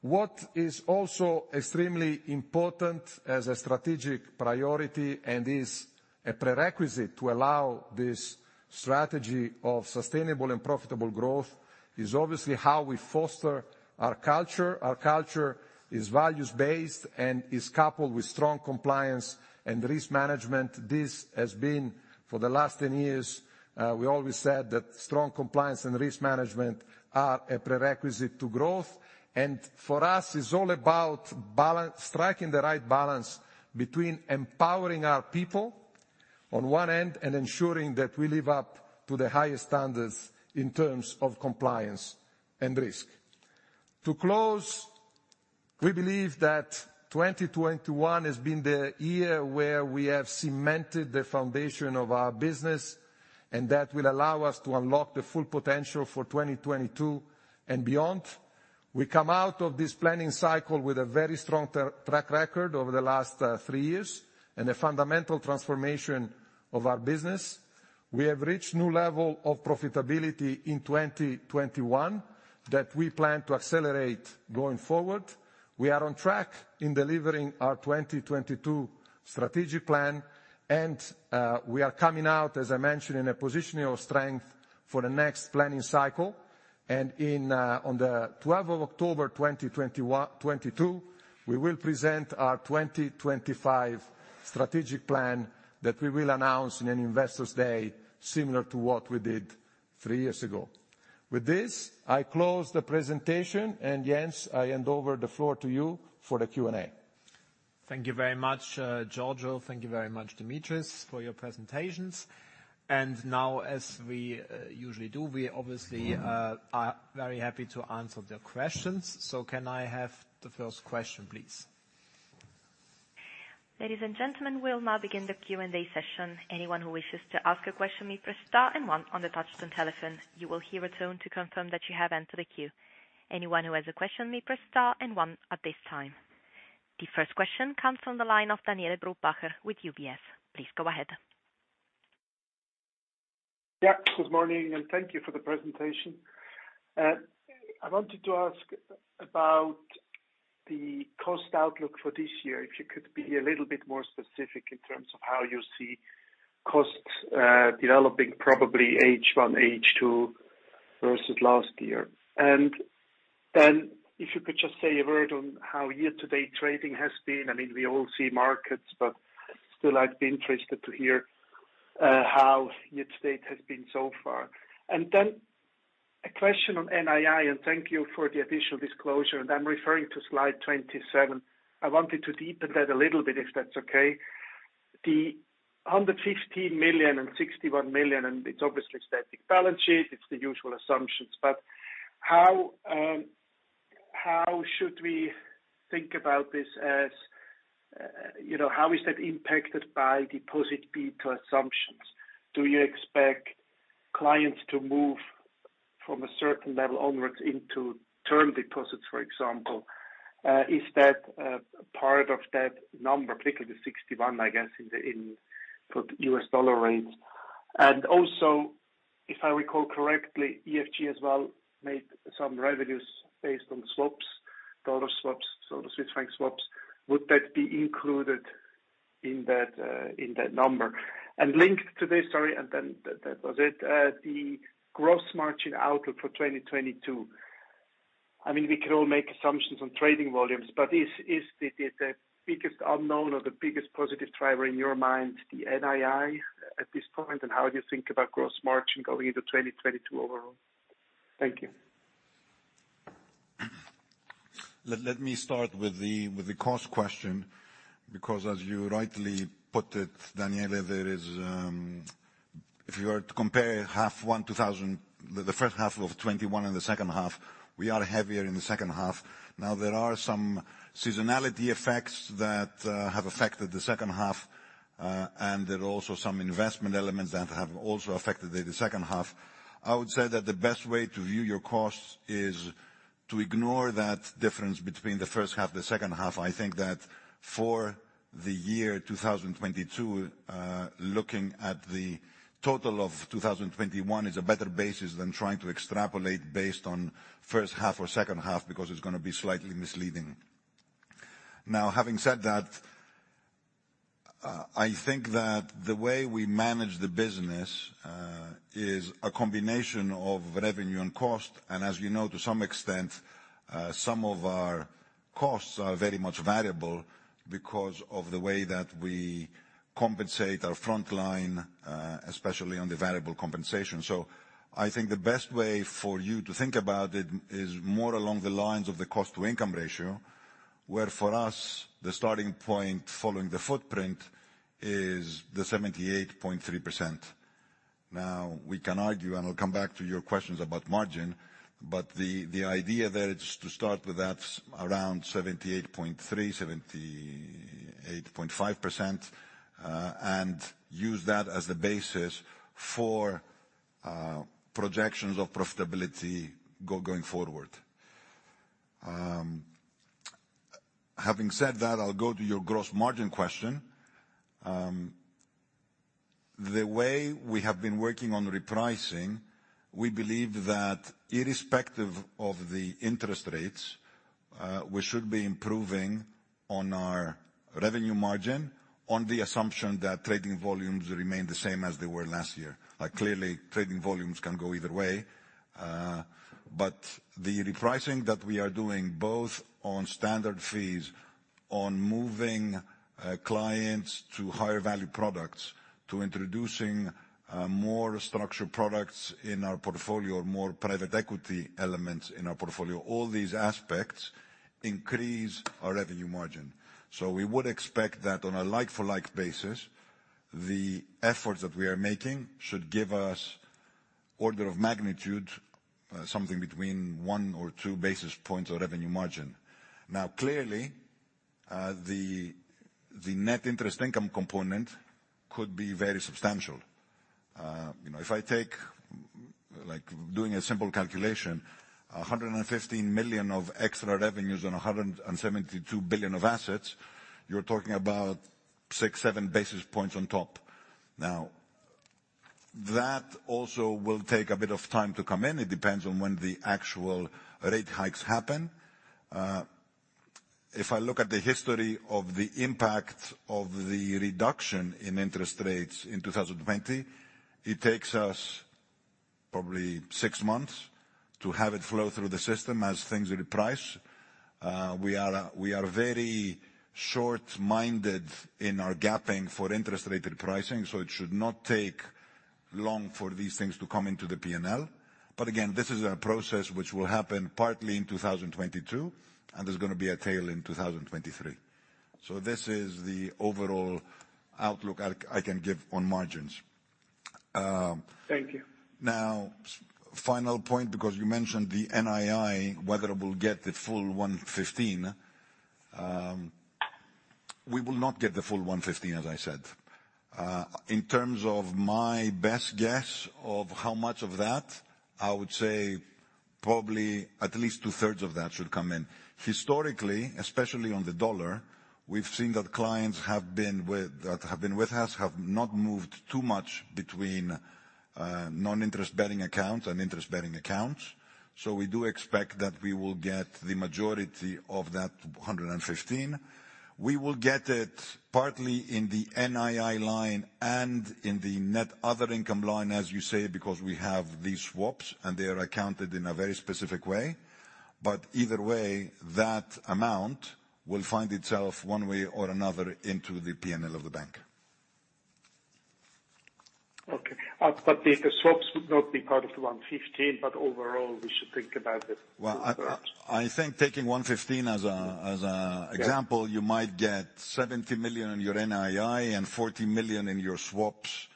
what is also extremely important as a strategic priority, and is a prerequisite to allow this strategy of sustainable and profitable growth is obviously how we foster our culture. Our culture is values-based and is coupled with strong compliance and risk management. This has been for the last 10 years, we always said that strong compliance and risk management are a prerequisite to growth. For us, it's all about striking the right balance between empowering our people on one end and ensuring that we live up to the highest standards in terms of compliance and risk. To close, we believe that 2021 has been the year where we have cemented the foundation of our business, and that will allow us to unlock the full potential for 2022 and beyond. We come out of this planning cycle with a very strong track record over the last three years and a fundamental transformation of our business. We have reached new level of profitability in 2021 that we plan to accelerate going forward. We are on track in delivering our 2022 strategic plan, and we are coming out, as I mentioned, in a position of strength for the next planning cycle. On the twelfth of October 2022, we will present our 2025 strategic plan that we will announce in an investors day similar to what we did three years ago. With this, I close the presentation, and Jens, I hand over the floor to you for the Q&A. Thank you very much, Giorgio. Thank you very much, Dimitris, for your presentations. Now, as we usually do, we obviously are very happy to answer the questions. Can I have the first question, please? Ladies and gentlemen, we'll now begin the Q&A session. Anyone who wishes to ask a question may press star and one on the touch-tone telephone. You will hear a tone to confirm that you have entered the queue. Anyone who has a question may press star and one at this time. The first question comes from the line of Daniele Brupbacher with UBS. Please go ahead. Yeah, good morning, and thank you for the presentation. I wanted to ask about the cost outlook for this year, if you could be a little bit more specific in terms of how you see costs developing, probably H1, H2 versus last year. If you could just say a word on how year-to-date trading has been. I mean, we all see markets, but still I'd be interested to hear how year-to-date has been so far. Then a question on NII, and thank you for the additional disclosure. I'm referring to slide 27. I wanted to deepen that a little bit, if that's okay. The 115 million and 61 million, and it's obviously static balance sheet, it's the usual assumptions, but how should we think about this as, you know, how is that impacted by deposit beta assumptions? Do you expect clients to move from a certain level onwards into term deposits, for example? Is that part of that number, particularly 61, I guess, in the U.S. dollar rates? And also, if I recall correctly, EFG as well made some revenues based on swaps, dollar swaps, so the Swiss franc swaps. Would that be included in that number? And linked to this, sorry, and then that was it. The gross margin outlook for 2022. I mean, we can all make assumptions on trading volumes, but is the biggest unknown or the biggest positive driver in your mind the NII at this point, and how do you think about gross margin going into 2022 overall? Thank you. Let me start with the cost question, because as you rightly put it, Daniele, if you were to compare the first half of 2021 and the second half, we are heavier in the second half. Now there are some seasonality effects that have affected the second half, and there are also some investment elements that have also affected the second half. I would say that the best way to view your costs is to ignore that difference between the first half, the second half. I think that for the year 2022, looking at the total of 2021 is a better basis than trying to extrapolate based on first half or second half, because it's gonna be slightly misleading. Now, having said that, I think that the way we manage the business is a combination of revenue and cost. As you know, to some extent, some of our costs are very much variable because of the way that we compensate our frontline, especially on the variable compensation. I think the best way for you to think about it is more along the lines of the cost to income ratio, where for us, the starting point following the footprint is the 78.3%. Now we can argue, and I'll come back to your questions about margin, but the idea there is to start with that around 78.3-78.5%, and use that as the basis for projections of profitability going forward. Having said that, I'll go to your gross margin question. The way we have been working on repricing, we believe that irrespective of the interest rates, we should be improving on our revenue margin on the assumption that trading volumes remain the same as they were last year. Clearly, trading volumes can go either way. But the repricing that we are doing, both on standard fees, on moving clients to higher value products, to introducing more structured products in our portfolio, more private equity elements in our portfolio, all these aspects increase our revenue margin. We would expect that on a like for like basis, the efforts that we are making should give us order of magnitude something between 1 or 2 basis points of revenue margin. Now, clearly, the net interest income component could be very substantial. You know, if I take, like, doing a simple calculation, 115 million of extra revenues on 172 billion of assets, you're talking about 6-7 basis points on top. Now, that also will take a bit of time to come in. It depends on when the actual rate hikes happen. If I look at the history of the impact of the reduction in interest rates in 2020, it takes us probably 6 months to have it flow through the system as things reprice. We are very short-dated in our gaps for interest rate repricing, so it should not take long for these things to come into the P&L. Again, this is a process which will happen partly in 2022, and there's gonna be a tail in 2023. This is the overall outlook I can give on margins. Thank you. Now, final point, because you mentioned the NII, whether it will get the full 115. We will not get the full 115, as I said. In terms of my best guess of how much of that, I would say probably at least two-thirds of that should come in. Historically, especially on the dollar, we've seen that clients that have been with us have not moved too much between non-interest-bearing accounts and interest-bearing accounts. We do expect that we will get the majority of that 115. We will get it partly in the NII line and in the net other income line, as you say, because we have these swaps and they are accounted in a very specific way. Either way, that amount will find itself one way or another into the P&L of the bank. The swaps would not be part of the 115, but overall, we should think about it. Well, I think taking 115 as an example, you might get 70 million in your NII and 40 million in your swaps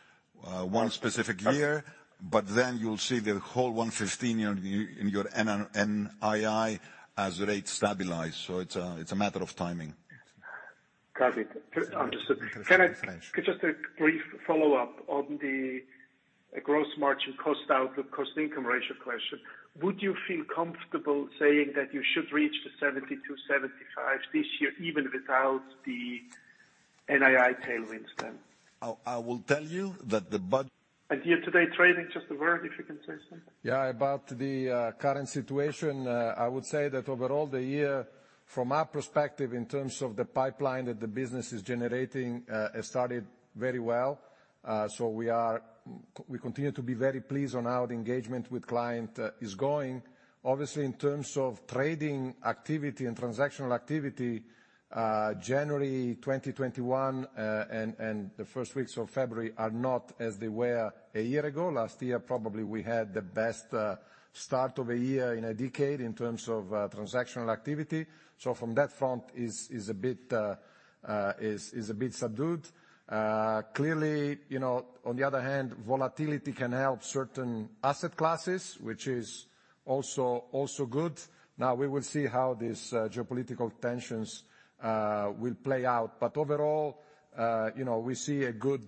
one specific year, but then you'll see the whole 115 in your NII as rates stabilize. It's a matter of timing. Copy. Understood. Thanks. Just a brief follow-up on the gross margin cost outlook, cost to income ratio question. Would you feel comfortable saying that you should reach the 70%-75% this year even without the NII tailwinds then? I will tell you that the bud- Year-to-date trading, just a word, if you can say something. Yeah, about the current situation, I would say that overall, the year from our perspective in terms of the pipeline that the business is generating started very well. We continue to be very pleased on how the engagement with client is going. Obviously, in terms of trading activity and transactional activity, January 2021 and the first weeks of February are not as they were a year ago. Last year, probably we had the best start of a year in a decade in terms of transactional activity. From that front is a bit subdued. Clearly, you know, on the other hand, volatility can help certain asset classes, which is also good. Now we will see how these geopolitical tensions will play out. Overall, you know, we see a good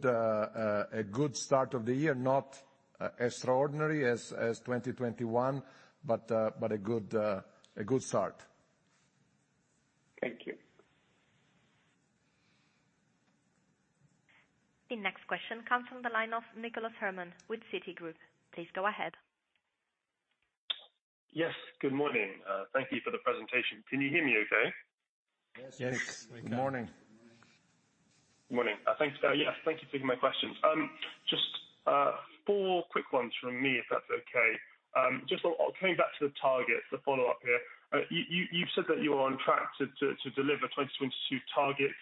start of the year, not extraordinary as 2021, but a good start. Thank you. The next question comes from the line of Nicholas Herman with Citigroup. Please go ahead. Yes. Good morning. Thank you for the presentation. Can you hear me okay? Yes. Yes. Good morning. Morning. Thank you. Yes, thank you for taking my questions. Just four quick ones from me, if that's okay. Just coming back to the targets, the follow-up here. You've said that you're on track to deliver 2022 targets.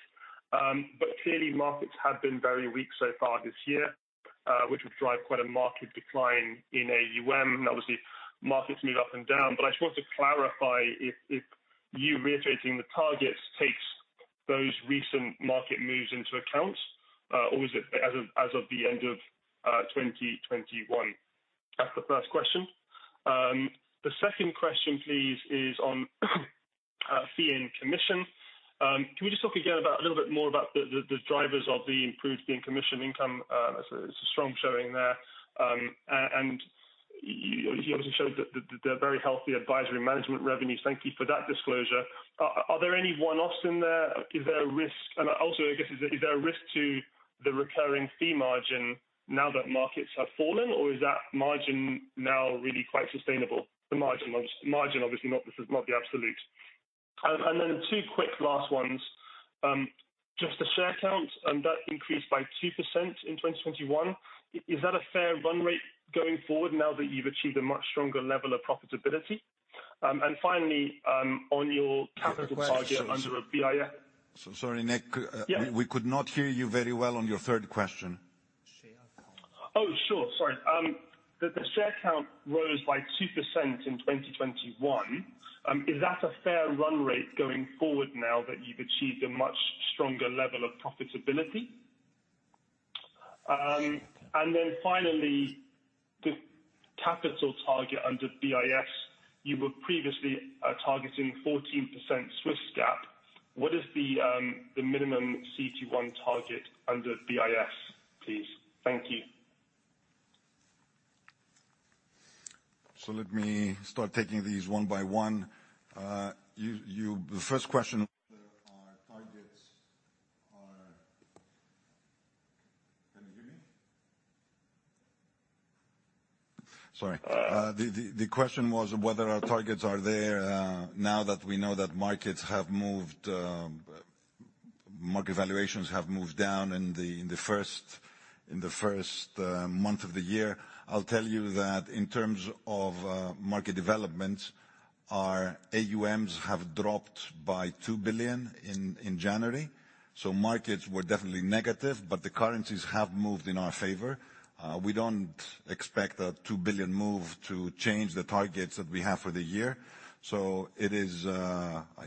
Clearly markets have been very weak so far this year, which would drive quite a market decline in AUM. Obviously markets move up and down, but I just want to clarify if you're reiterating the targets takes those recent market moves into account, or is it as of the end of 2021? That's the first question. The second question, please, is on fee and commission. Can we just talk again about a little bit more about the drivers of the improved fee and commission income? It's a strong showing there. You obviously showed that the very healthy advisory management revenues. Thank you for that disclosure. Are there any one-offs in there? Is there a risk? Also, I guess, is there a risk to the recurring fee margin now that markets have fallen? Or is that margin now really quite sustainable? The margin, obviously not the absolute. Then two quick last ones. Just the share count and that increase by 2% in 2021. Is that a fair run rate going forward now that you've achieved a much stronger level of profitability? Finally, on your capital target under a BIS. Sorry, Nick. Yeah. We could not hear you very well on your third question. Oh, sure. Sorry. The share count rose by 2% in 2021. Is that a fair run rate going forward now that you've achieved a much stronger level of profitability? Finally, the capital target under BIS, you were previously targeting 14% Swiss GAAP. What is the minimum CET1 target under BIS, please? Thank you. Let me start taking these one by one. The first question was whether our targets are there now that we know that markets have moved, market valuations have moved down in the first month of the year. I'll tell you that in terms of market developments, our AUMs have dropped by 2 billion in January. Markets were definitely negative, but the currencies have moved in our favor. We don't expect a 2 billion move to change the targets that we have for the year. It is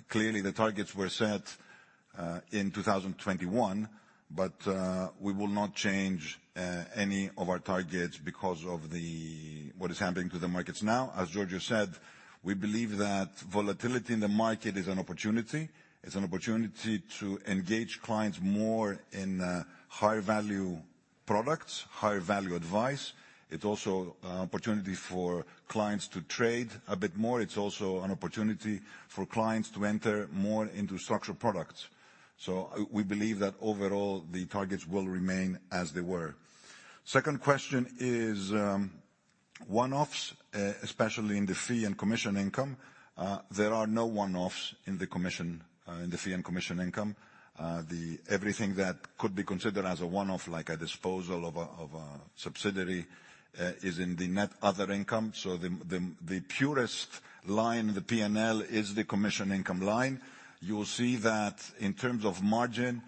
clearly the targets were set in 2021, but we will not change any of our targets because of what is happening to the markets now. As Giorgio said, we believe that volatility in the market is an opportunity. It's an opportunity to engage clients more in high-value products, high-value advice. It's also an opportunity for clients to trade a bit more. It's also an opportunity for clients to enter more into structured products. We believe that overall, the targets will remain as they were. Second question is one-offs, especially in the fee and commission income. There are no one-offs in the fee and commission income. Everything that could be considered as a one-off, like a disposal of a subsidiary, is in the net other income. The purest line in the P&L is the commission income line. You'll see that in terms of margin,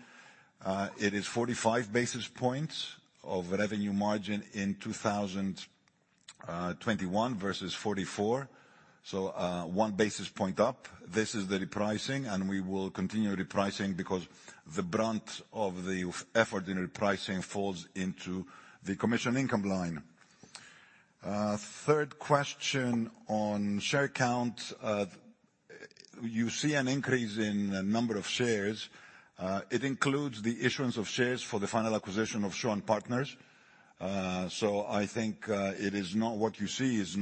it is 45 basis points of revenue margin in 2021 versus 44. One basis point up. This is the repricing, and we will continue repricing because the brunt of the effort in repricing falls into the commission income line. Third question on share count. You see an increase in number of shares. It includes the issuance of shares for the final acquisition of Shaw and Partners. I think it is not what you see. It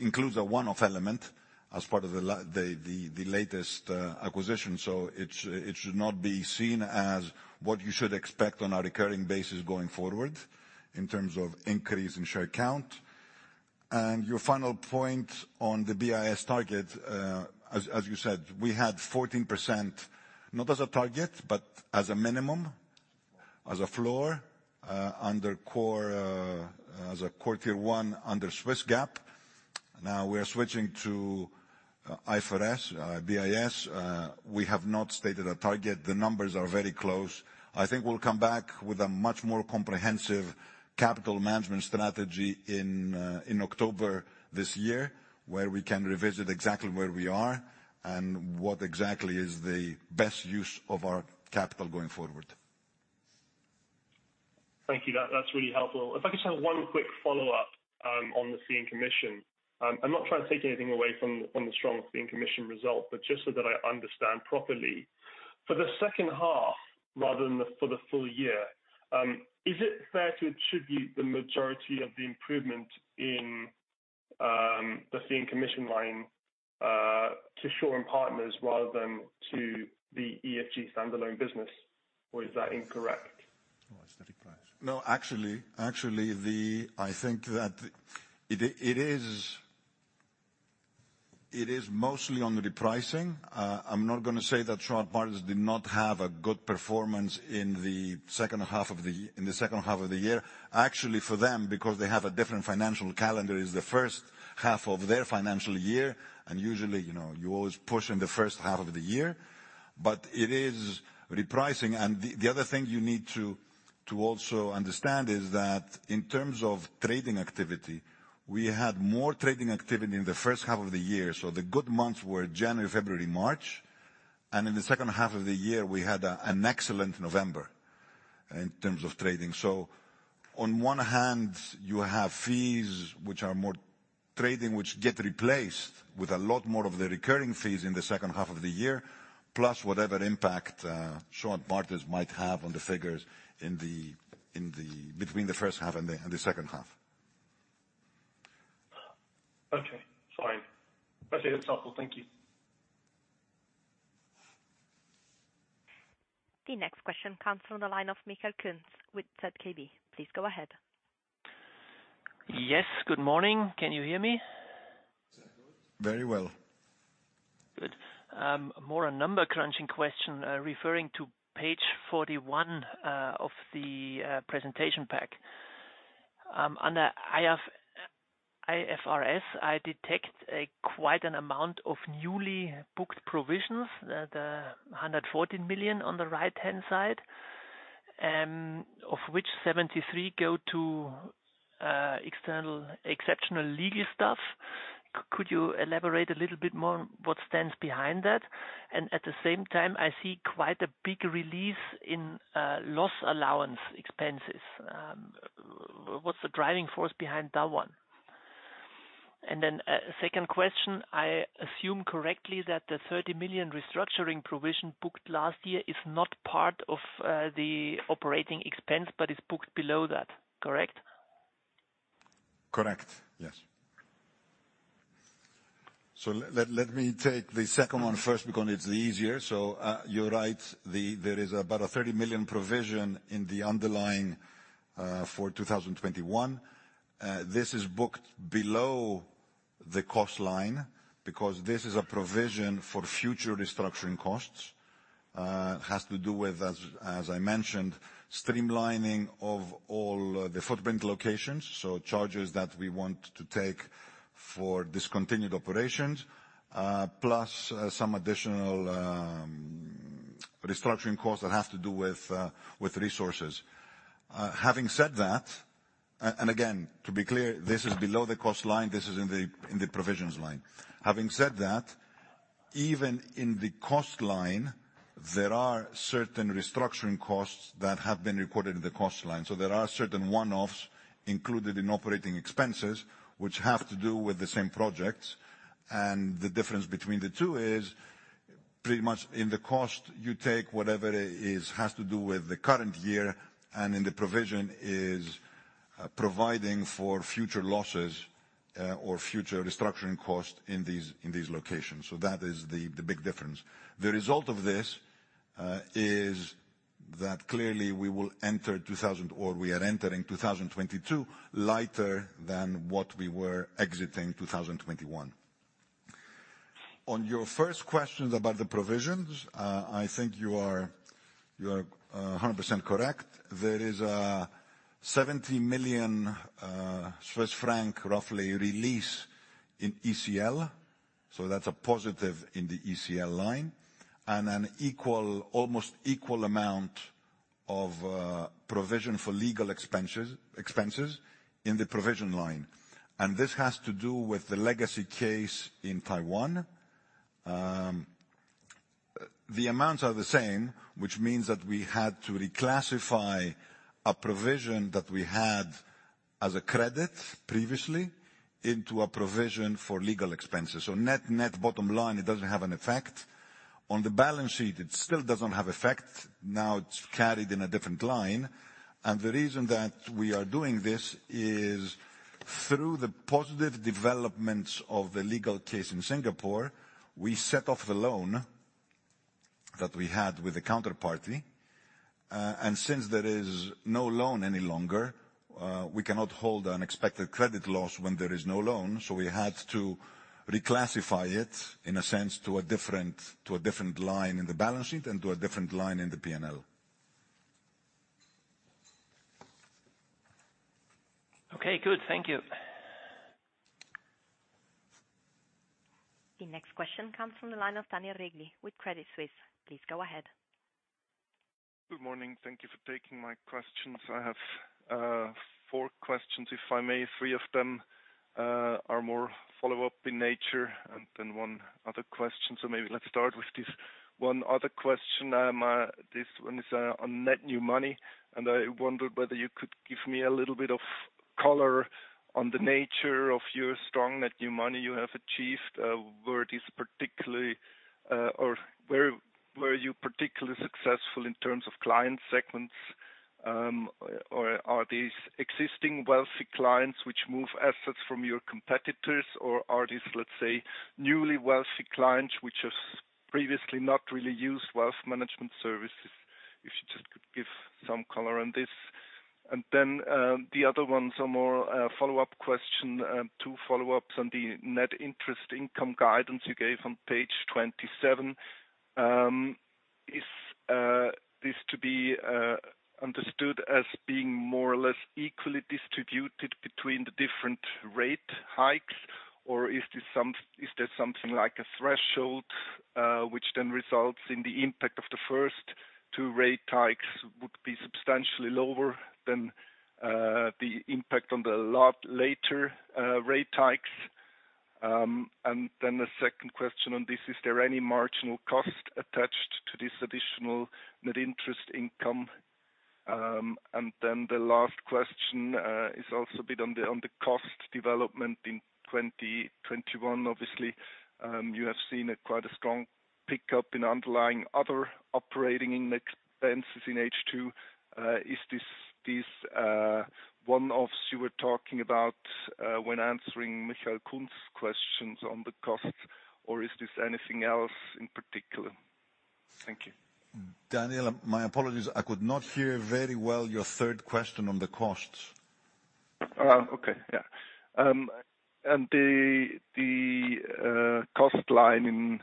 includes a one-off element as part of the latest acquisition. It should not be seen as what you should expect on a recurring basis going forward in terms of increase in share count. Your final point on the BIS target, as you said, we had 14%, not as a target, but as a minimum, as a floor under Core Tier 1 as at Q1 under Swiss GAAP. Now we are switching to IFRS BIS. We have not stated a target. The numbers are very close. I think we'll come back with a much more comprehensive capital management strategy in October this year, where we can revisit exactly where we are and what exactly is the best use of our capital going forward. Thank you. That's really helpful. If I could just have one quick follow-up on the fee and commission. I'm not trying to take anything away from the strong fee and commission result, but just so that I understand properly. For the second half rather than for the full year, is it fair to attribute the majority of the improvement in the fee and commission line to Shaw and Partners rather than to the EFG standalone business? Or is that incorrect? No, actually, I think that it is mostly on the repricing. I'm not gonna say that Shaw and Partners did not have a good performance in the second half of the year. Actually, for them, because they have a different financial calendar, is the first half of their financial year, and usually, you know, you always push in the first half of the year. It is repricing. The other thing you need to also understand is that in terms of trading activity, we had more trading activity in the first half of the year. The good months were January, February, March, and in the second half of the year, we had an excellent November in terms of trading. On one hand, you have fees which are more trading, which get replaced with a lot more of the recurring fees in the second half of the year, plus whatever impact Shaw, and Partners might have on the figures in the between the first half and the second half. Okay. Sorry. Okay, that's helpful. Thank you. The next question comes from the line of Michael Kunz with ZKB. Please go ahead. Yes. Good morning. Can you hear me? Very well. Good. More a number crunching question, referring to page 41 of the presentation pack. Under IFRS, I detect quite an amount of newly booked provisions, the 114 million on the right-hand side, of which 73 million go to external exceptional legal stuff. Could you elaborate a little bit more what stands behind that? And at the same time, I see quite a big release in loss allowance expenses. What's the driving force behind that one? And then, second question, I assume correctly that the 30 million restructuring provision booked last year is not part of the operating expense but is booked below that. Correct? Correct. Yes. Let me take the second one first because it's easier. You're right. There is about a 30 million provision in the underlying for 2021. This is booked below the cost line because this is a provision for future restructuring costs. It has to do with as I mentioned, streamlining of all the footprint locations, so charges that we want to take for discontinued operations, plus some additional restructuring costs that have to do with resources. Having said that, and again, to be clear, this is below the cost line. This is in the provisions line. Having said that, even in the cost line, there are certain restructuring costs that have been recorded in the cost line. There are certain one-offs included in operating expenses, which have to do with the same projects. The difference between the two is pretty much in the cost you take has to do with the current year, and in the provision is providing for future losses, or future restructuring costs in these locations. That is the big difference. The result of this is that clearly we will enter 2022 or we are entering 2022 lighter than what we were exiting 2021. On your first question about the provisions, I think you are 100% correct. There is a 70 million Swiss franc roughly release in ECL, so that's a positive in the ECL line, and an equal, almost equal amount of provision for legal expenses in the provision line. This has to do with the legacy case in Taiwan. The amounts are the same, which means that we had to reclassify a provision that we had as a credit previously into a provision for legal expenses. Net bottom line, it doesn't have an effect. On the balance sheet, it still doesn't have effect. Now, it's carried in a different line. The reason that we are doing this is that through the positive developments of the legal case in Singapore, we set off the loan that we had with the counterparty. Since there is no loan any longer, we cannot hold an expected credit loss when there is no loan. We had to reclassify it in a sense to a different line in the balance sheet, and to a different line in the P&L. Okay, good. Thank you. The next question comes from the line of Daniel Regli with Credit Suisse. Please go ahead. Good morning. Thank you for taking my questions. I have four questions if I may. Three of them are more follow-up in nature and then one other question. Maybe let's start with this one other question. This one is on net new money, and I wondered whether you could give me a little bit of color on the nature of your strong net new money you have achieved. Where it is particularly or where you're particularly successful in terms of client segments, or are these existing wealthy clients which move assets from your competitors or are these, let's say, newly wealthy clients which have previously not really used wealth management services? If you just could give some color on this. The other ones are two follow-ups on the net interest income guidance you gave on page 27. Is this to be understood as being more or less equally distributed between the different rate hikes? Or is there something like a threshold, which then results in the impact of the first two rate hikes would be substantially lower than the impact on the latter rate hikes? The second question on this, is there any marginal cost attached to this additional net interest income? The last question is also a bit on the cost development in 2021. Obviously, you have seen quite a strong pickup in underlying other operating expenses in H2. Is this one-offs you were talking about when answering Michael Kunz's questions on the costs, or is this anything else in particular? Thank you. Daniel, my apologies, I could not hear very well your third question on the costs. Oh, okay, yeah. The cost line in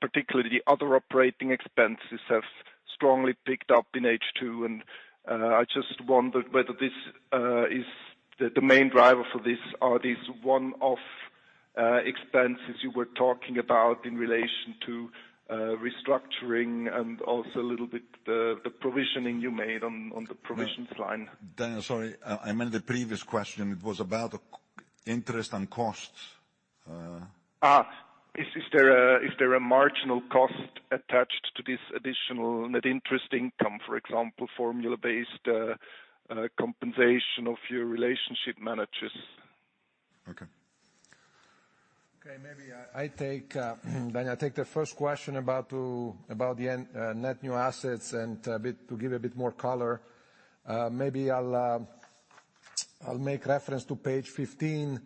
particular, the other operating expenses have strongly picked up in H2, and I just wondered whether this is the main driver for this are these one-off expenses you were talking about in relation to restructuring and also a little bit the provisioning you made on the provisions line? Daniel, sorry. I meant the previous question, it was about interest and costs. Is there a marginal cost attached to this additional net interest income, for example, formula-based compensation of your relationship managers? Okay. Okay, maybe I take the first question about the net new assets and a bit to give a bit more color. Maybe I'll make reference to page 15, you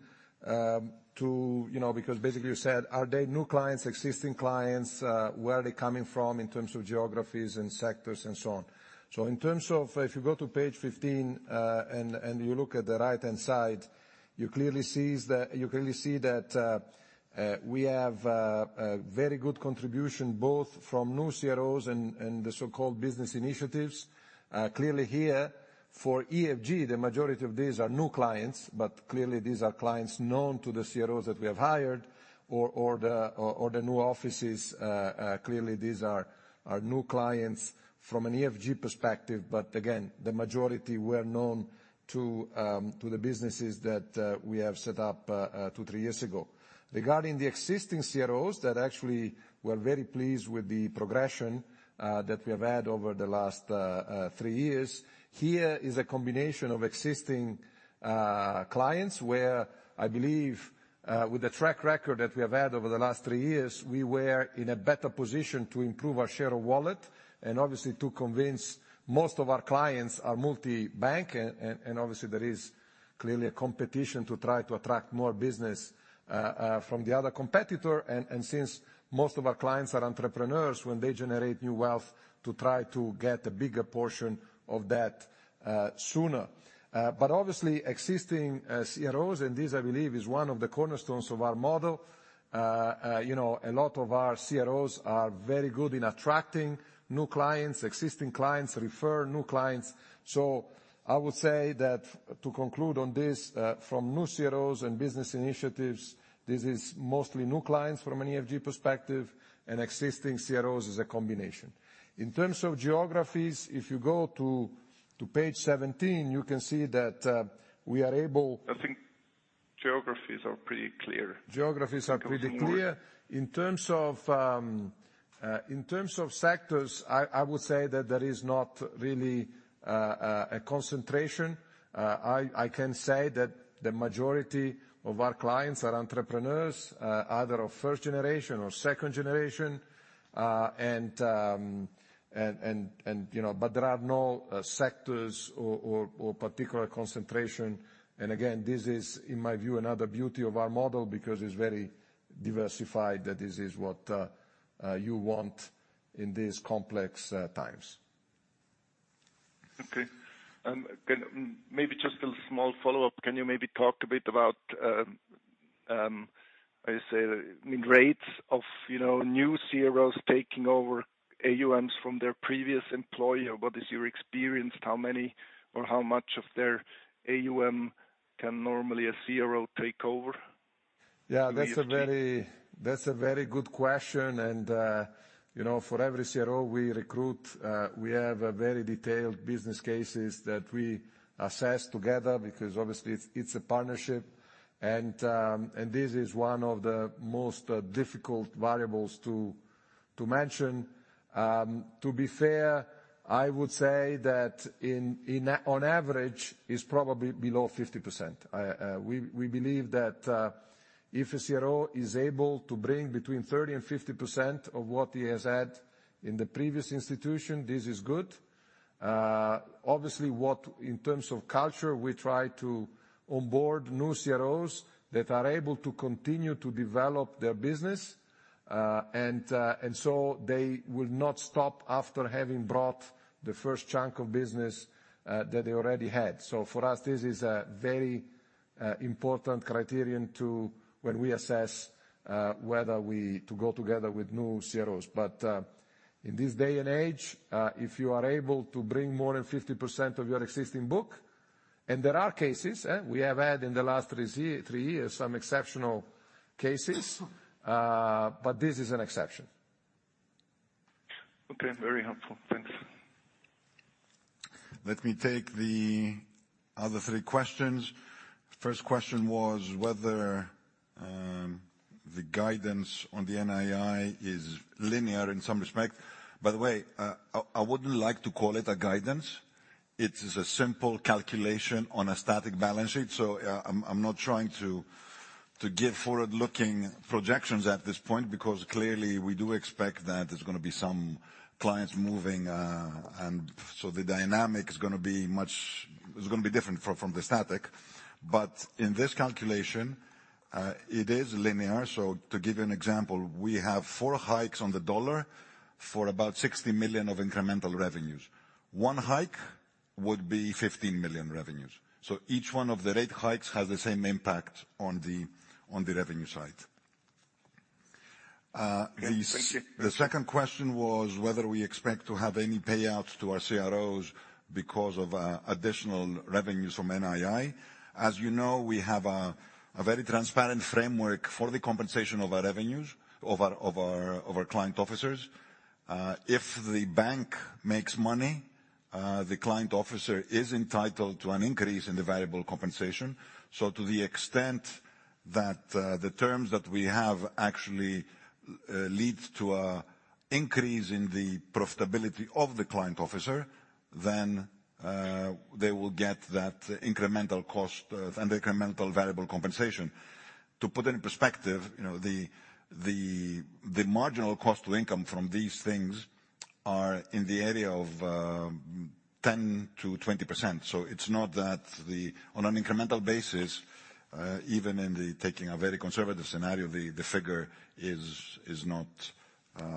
know, because basically you said, are they new clients, existing clients, where are they coming from in terms of geographies and sectors and so on. In terms of if you go to page 15, and you look at the right-hand side, you clearly see that we have a very good contribution both from new CROs and the so-called business initiatives. Clearly here for EFG, the majority of these are new clients, but clearly these are clients known to the CROs that we have hired or the new offices. Clearly these are new clients from an EFG perspective, but again, the majority were known to the businesses that we have set up 2-3 years ago. Regarding the existing CSOs that actually were very pleased with the progression that we have had over the last three years, there is a combination of existing clients where I believe with the track record that we have had over the last three years, we were in a better position to improve our share of wallet and obviously to convince most of our clients are multi-bank and and obviously there is clearly a competition to try to attract more business from the other competitor. Since most of our clients are entrepreneurs, when they generate new wealth to try to get a bigger portion of that sooner. Obviously existing CROs, and this I believe is one of the cornerstones of our model, you know, a lot of our CROs are very good in attracting new clients. Existing clients refer new clients. I would say that to conclude on this, from new CROs and business initiatives, this is mostly new clients from an EFG perspective, and existing CROs is a combination. In terms of geographies, if you go to page seventeen, you can see that we are able- I think geographies are pretty clear. Geographies are pretty clear. In terms of sectors, I would say that there is not really a concentration. I can say that the majority of our clients are entrepreneurs, either of first generation or second generation, and you know, but there are no sectors or particular concentration. Again, this is, in my view, another beauty of our model because it's very diversified, that this is what you want in these complex times. Okay. Maybe just a small follow-up. Can you maybe talk a bit about, how you say, rates of, you know, new CROs taking over AUMs from their previous employer? What is your experience? How many or how much of their AUM can normally a CRO take over? Yeah. That's a very good question. For every CRO we recruit, we have a very detailed business cases that we assess together because obviously it's a partnership. This is one of the most difficult variables to mention. To be fair, I would say that on average is probably below 50%. We believe that if a CRO is able to bring between 30% and 50% of what he has had in the previous institution, this is good. Obviously, in terms of culture, we try to onboard new CROs that are able to continue to develop their business, so they will not stop after having brought the first chunk of business that they already had. For us, this is a very important criterion to when we assess. Whether we to go together with new CROs. In this day and age, if you are able to bring more than 50% of your existing book, and there are cases we have had in the last three years, some exceptional cases. This is an exception. Okay. Very helpful. Thanks. Let me take the other three questions. First question was whether the guidance on the NII is linear in some respect. By the way, I wouldn't like to call it a guidance. It is a simple calculation on a static balance sheet. I'm not trying to give forward-looking projections at this point, because clearly we do expect that there's gonna be some clients moving. The dynamic is gonna be different from the static. In this calculation, it is linear. To give you an example, we have 4 hikes on the dollar for about 60 million of incremental revenues. 1 hike would be 15 million revenues. Each one of the rate hikes has the same impact on the revenue side. Thank you. The second question was whether we expect to have any payouts to our CSOs because of additional revenues from NII. As you know, we have a very transparent framework for the compensation of our client officers. If the bank makes money, the client officer is entitled to an increase in the variable compensation. To the extent that the terms that we have actually leads to an increase in the profitability of the client officer, then they will get that incremental cost and incremental variable compensation. To put it in perspective, you know, the marginal cost to income from these things are in the area of 10%-20%. It's not that the On an incremental basis, even in taking a very conservative scenario, the figure is not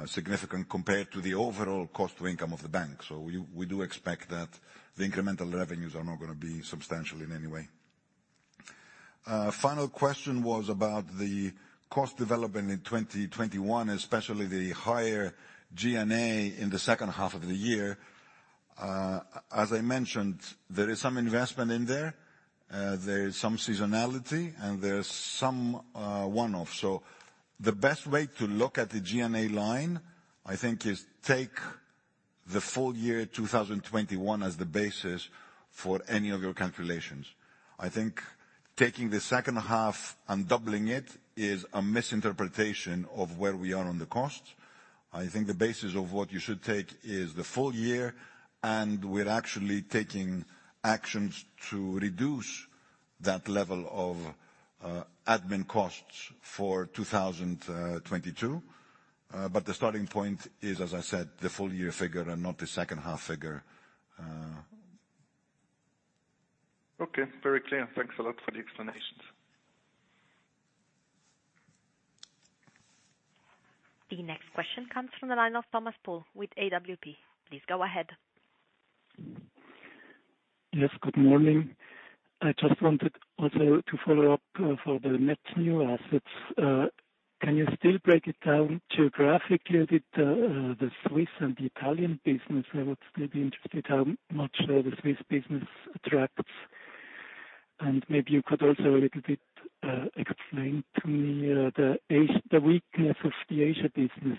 significant compared to the overall cost to income of the bank. We do expect that the incremental revenues are not gonna be substantial in any way. Final question was about the cost development in 2021, especially the higher G&A in the second half of the year. As I mentioned, there is some investment in there is some seasonality, and there's some one-off. The best way to look at the G&A line, I think, is take the full year 2021 as the basis for any of your calculations. I think taking the second half and doubling it is a misinterpretation of where we are on the cost. I think the basis of what you should take is the full year, and we're actually taking actions to reduce that level of admin costs for 2022. The starting point is, as I said, the full year figure and not the second half figure. Okay, very clear. Thanks a lot for the explanations. The next question comes from the line of Thomas Puhl with AWP. Please go ahead. Yes, good morning. I just wanted also to follow up for the net new assets. Can you still break it down geographically with the Swiss and the Italian business? I would still be interested in how much the Swiss business attracts. Maybe you could also a little bit explain to me the weakness of the Asia business,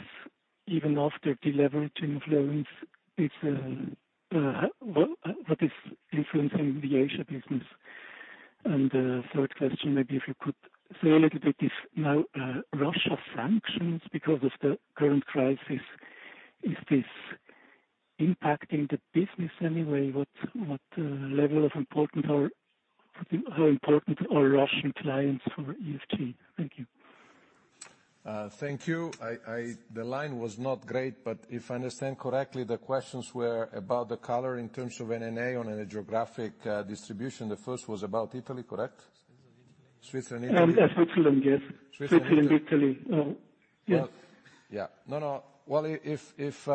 even after deleveraging of loans, what is influencing the Asia business? Third question, maybe if you could say a little bit if now Russian sanctions because of the current crisis is this impacting the business anyway? What level of importance or how important are Russian clients for EFG? Thank you. Thank you. I... The line was not great, but if I understand correctly, the questions were about the color in terms of NNA on a geographic distribution. The first was about Italy, correct? Switzerland, Italy. Switzerland, Italy. Yeah, Switzerland. Yes. Switzerland. Switzerland, Italy. Yes.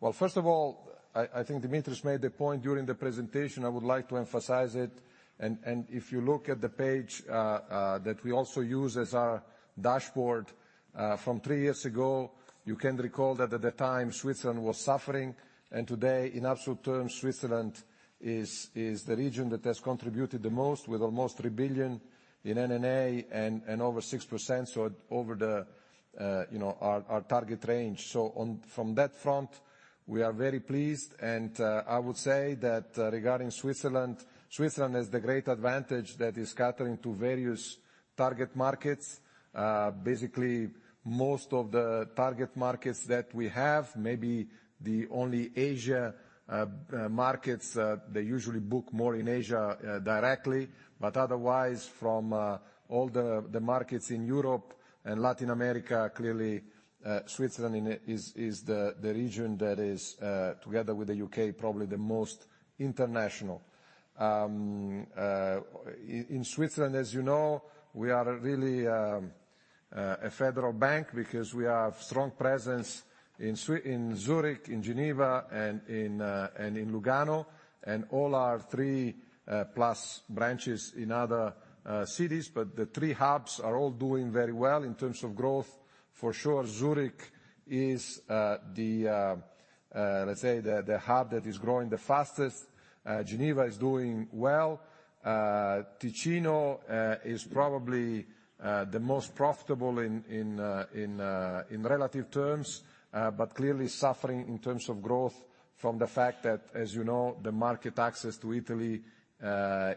Well, first of all, I think Dimitris made the point during the presentation. I would like to emphasize it. If you look at the page that we also use as our dashboard from three years ago, you can recall that at the time, Switzerland was suffering. Today, in absolute terms, Switzerland is the region that has contributed the most with almost 3 billion in NNA and over 6%, so over our target range, you know. From that front, we are very pleased. I would say that regarding Switzerland, it is the great advantage that is catering to various target markets. Basically, most of the target markets that we have, maybe the only Asian markets they usually book more in Asia directly. Otherwise, from all the markets in Europe and Latin America, clearly, Switzerland is the region that is together with the U.K., probably the most international. In Switzerland, as you know, we are really A private bank because we have strong presence in Switzerland, in Geneva, and in Lugano, and all our three plus branches in other cities. The three hubs are all doing very well in terms of growth. For sure, Zurich is the hub that is growing the fastest. Geneva is doing well. Ticino is probably the most profitable in relative terms, but clearly suffering in terms of growth from the fact that, as you know, the market access to Italy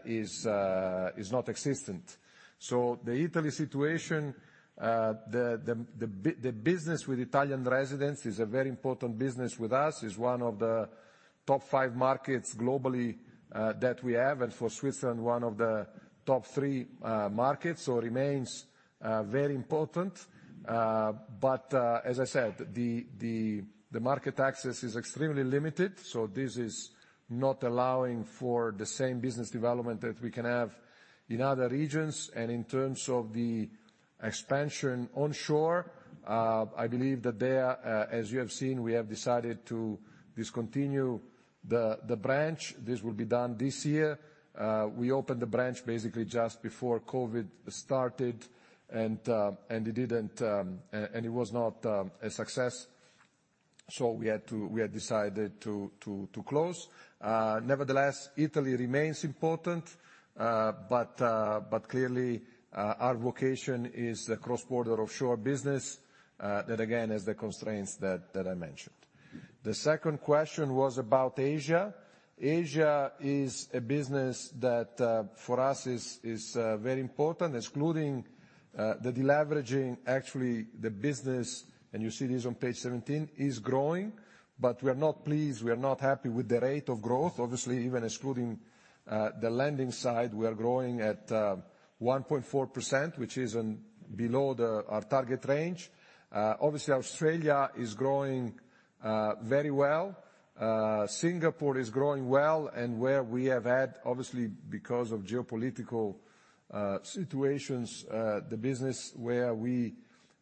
is not existent. The business with Italian residents is a very important business with us. It's one of the top five markets globally that we have, and for Switzerland, one of the top three markets, so remains very important. As I said, the market access is extremely limited, so this is not allowing for the same business development that we can have in other regions. In terms of the expansion onshore, I believe that there, as you have seen, we have decided to discontinue the branch. This will be done this year. We opened the branch basically just before COVID started. It was not a success, so we had decided to close. Nevertheless, Italy remains important. Clearly, our vocation is the cross-border offshore business that again has the constraints that I mentioned. The second question was about Asia. Asia is a business that for us is very important. Excluding the deleveraging, actually the business, and you see this on page 17, is growing. We're not pleased, we're not happy with the rate of growth. Obviously, even excluding the lending side, we are growing at 1.4%, which is below our target range. Obviously Australia is growing very well. Singapore is growing well. We have had obviously because of geopolitical situations, the business where we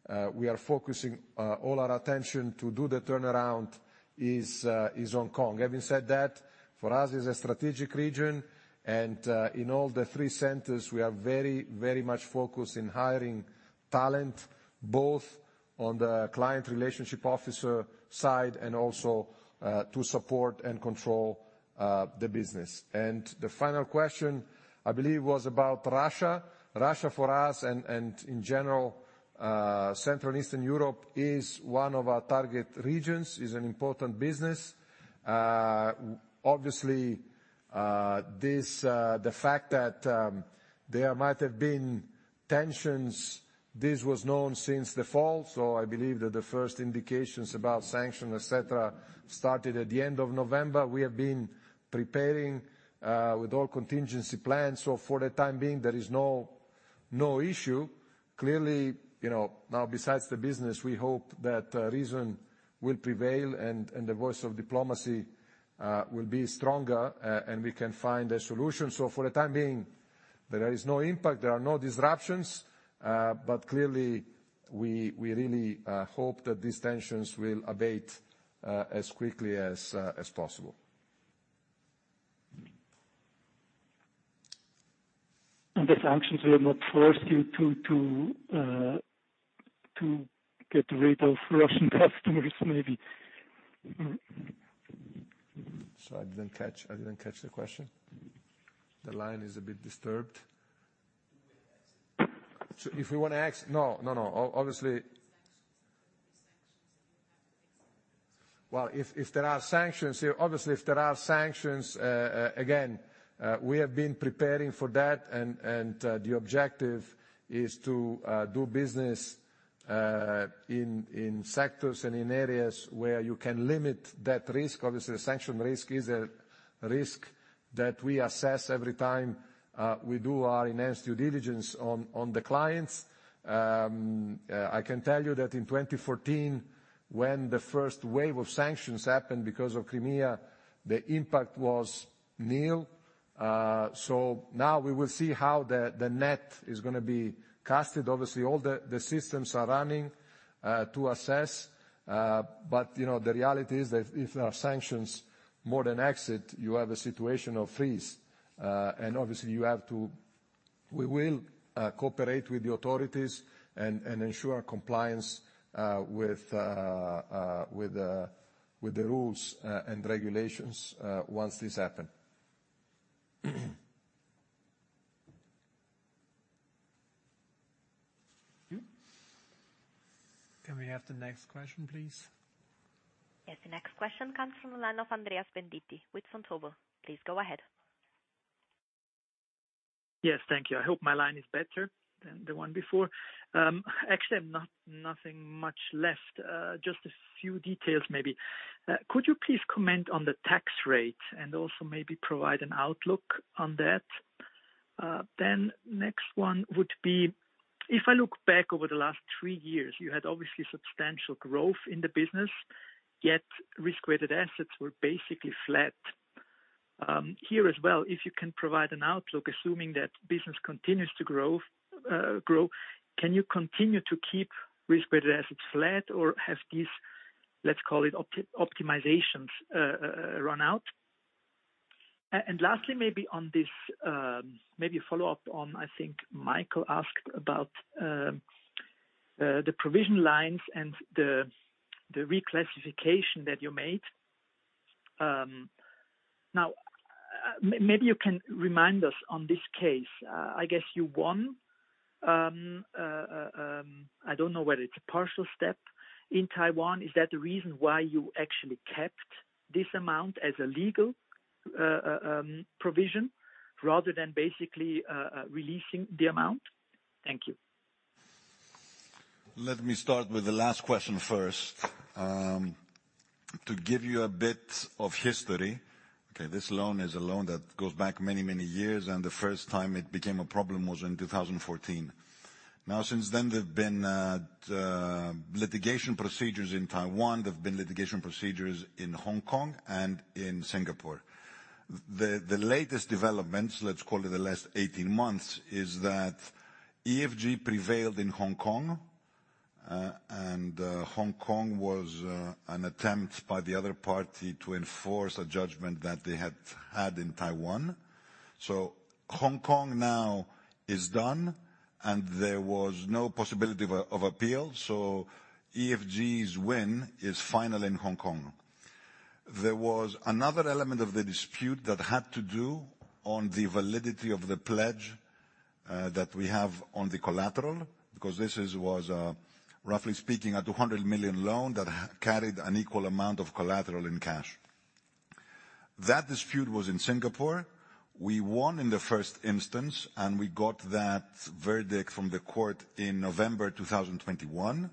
are focusing all our attention to do the turnaround is Hong Kong. Having said that, for us it's a strategic region, and in all the three centers we are very, very much focused in hiring talent, both on the client relationship officer side, and also to support and control the business. The final question, I believe, was about Russia. Russia, for us and in general, Central and Eastern Europe is one of our target regions, is an important business. Obviously, this, the fact that there might have been tensions, this was known since the fall, so I believe that the first indications about sanction, et cetera, started at the end of November. We have been preparing with all contingency plans. For the time being, there is no issue. Clearly, you know, now besides the business, we hope that reason will prevail and the voice of diplomacy will be stronger and we can find a solution. For the time being, there is no impact, there are no disruptions, but clearly we really hope that these tensions will abate as quickly as possible. The sanctions will not force you to get rid of Russian customers maybe. Sorry, I didn't catch the question. The line is a bit disturbed. You may exit. So if we wanna ex- no, no, no, ob-obviously. Sanctions that you have in place. Well, if there are sanctions here, obviously, again, we have been preparing for that and the objective is to do business in sectors and in areas where you can limit that risk. Obviously, the sanction risk is a risk that we assess every time we do our enhanced due diligence on the clients. I can tell you that in 2014 when the first wave of sanctions happened because of Crimea, the impact was nil. Now we will see how the net is gonna be casted. Obviously all the systems are running to assess. You know, the reality is that if there are sanctions more than exit, you have a situation of freeze. Obviously you have to We will cooperate with the authorities and ensure compliance with the rules and regulations once this happen. Can we have the next question, please? Yes, the next question comes from the line of Andreas Venditti with Vontobel. Please go ahead. Yes, thank you. I hope my line is better than the one before. Actually I've nothing much left, just a few details maybe. Could you please comment on the tax rate and also maybe provide an outlook on that? Next one would be, if I look back over the last three years, you had obviously substantial growth in the business, yet risk-weighted assets were basically flat. Here as well, if you can provide an outlook, assuming that business continues to grow, can you continue to keep risk-weighted assets flat, or have these, let's call it, optimizations, run out? Lastly, maybe on this, maybe a follow-up on, I think Michael asked about, the provision lines and the reclassification that you made. Now, maybe you can remind us on this case. I guess you won. I don't know whether it's a partial step in Taiwan. Is that the reason why you actually kept this amount as a legal provision, rather than basically releasing the amount? Thank you. Let me start with the last question first. To give you a bit of history, okay, this loan is a loan that goes back many, many years, and the first time it became a problem was in 2014. Now, since then, there have been litigation procedures in Taiwan, there have been litigation procedures in Hong Kong and in Singapore. The latest developments, let's call it the last 18 months, is that EFG prevailed in Hong Kong. Hong Kong was an attempt by the other party to enforce a judgment that they had had in Taiwan. Hong Kong now is done, and there was no possibility of appeal. EFG's win is final in Hong Kong. There was another element of the dispute that had to do with the validity of the pledge that we have on the collateral, because this was, roughly speaking, a 200 million loan that carried an equal amount of collateral in cash. That dispute was in Singapore. We won in the first instance, and we got that verdict from the court in November 2021.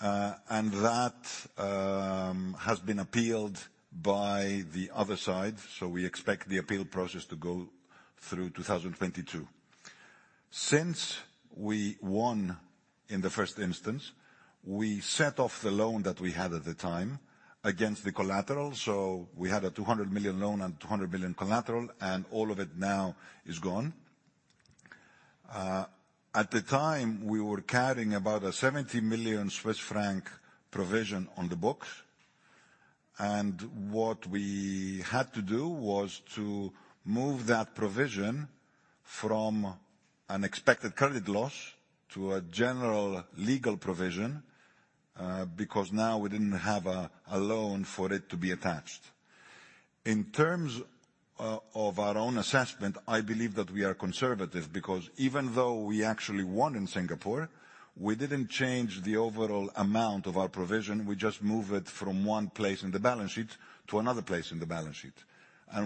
That has been appealed by the other side, so we expect the appeal process to go through 2022. Since we won in the first instance, we set off the loan that we had at the time against the collateral. We had a 200 million loan and 200 million collateral, and all of it now is gone. At the time, we were carrying about a 70 million Swiss franc provision on the books, and what we had to do was to move that provision from an expected credit loss to a general legal provision, because now we didn't have a loan for it to be attached. In terms of our own assessment, I believe that we are conservative, because even though we actually won in Singapore, we didn't change the overall amount of our provision. We just moved it from one place in the balance sheet to another place in the balance sheet.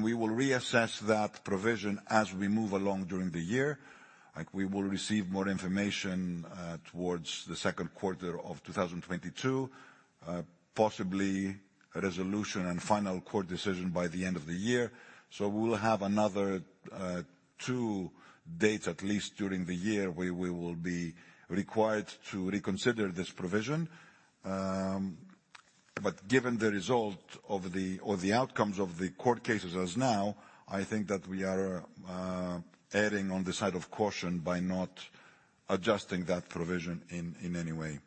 We will reassess that provision as we move along during the year. Like, we will receive more information towards the second quarter of 2022, possibly a resolution, and final court decision by the end of the year. We will have another two dates, at least, during the year, where we will be required to reconsider this provision. Given the outcomes of the court cases as of now, I think that we are erring on the side of caution by not adjusting that provision in any way.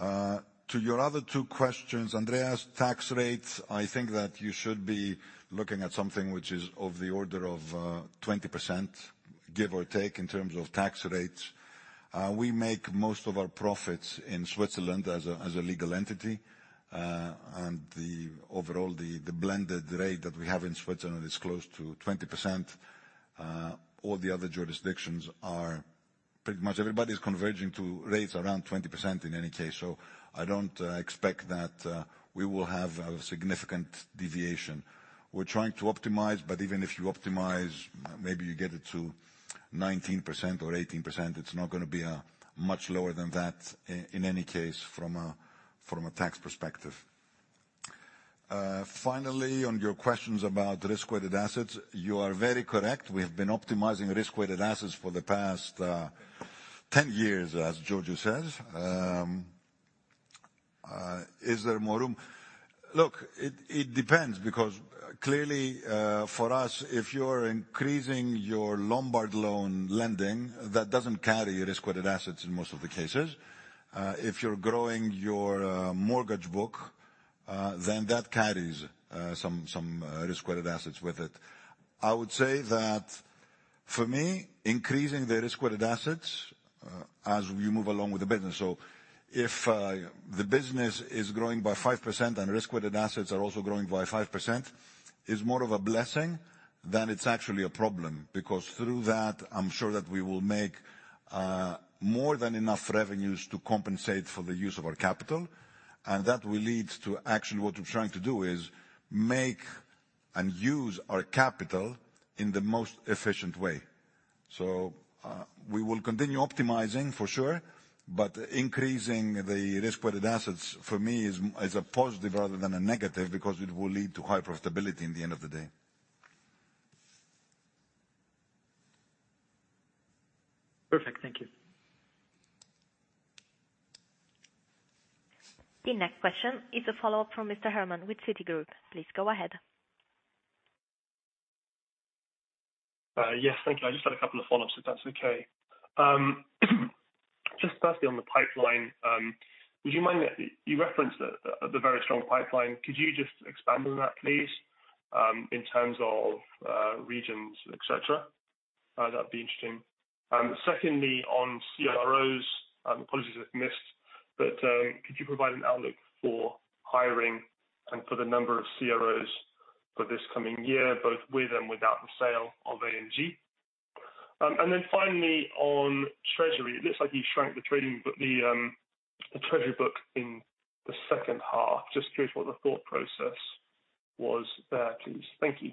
To your other two questions, Andreas, tax rates, I think that you should be looking at something which is of the order of 20%, give or take, in terms of tax rates. We make most of our profits in Switzerland as a legal entity. The overall blended rate that we have in Switzerland is close to 20%. All the other jurisdictions are pretty much everybody's converging to rates around 20% in any case. I don't expect that we will have a significant deviation. We're trying to optimize, but even if you optimize, maybe you get it to 19% or 18%, it's not gonna be much lower than that in any case from a tax perspective. Finally, on your questions about risk-weighted assets, you are very correct. We have been optimizing risk-weighted assets for the past 10 years, as Giorgio says. Is there more room? Look, it depends because clearly, for us, if you're increasing your Lombard loan lending, that doesn't carry risk-weighted assets in most of the cases. If you're growing your mortgage book, then that carries some risk-weighted assets with it. I would say that for me, increasing the risk-weighted assets as you move along with the business, so if the business is growing by 5% and risk-weighted assets are also growing by 5%, is more of a blessing than it's actually a problem. Because through that, I'm sure that we will make more than enough revenues to compensate for the use of our capital, and that will lead to actually what we're trying to do is make and use our capital in the most efficient way. We will continue optimizing for sure, but increasing the risk-weighted assets for me is a positive rather than a negative because it will lead to high profitability in the end of the day. Perfect. Thank you. The next question is a follow-up from Mr. Herman with Citigroup. Please go ahead. Yes, thank you. I just had a couple of follow-ups, if that's okay. Just firstly, on the pipeline, would you mind that you referenced the very strong pipeline. Could you just expand on that, please, in terms of regions, et cetera? That'd be interesting. Secondly, on CROs, apologies if missed, but could you provide an outlook for hiring and for the number of CROs for this coming year, both with and without the sale of AMG? Finally, on treasury, it looks like you shrank the Treasury book in the second half. Just curious what the thought process was there, please. Thank you.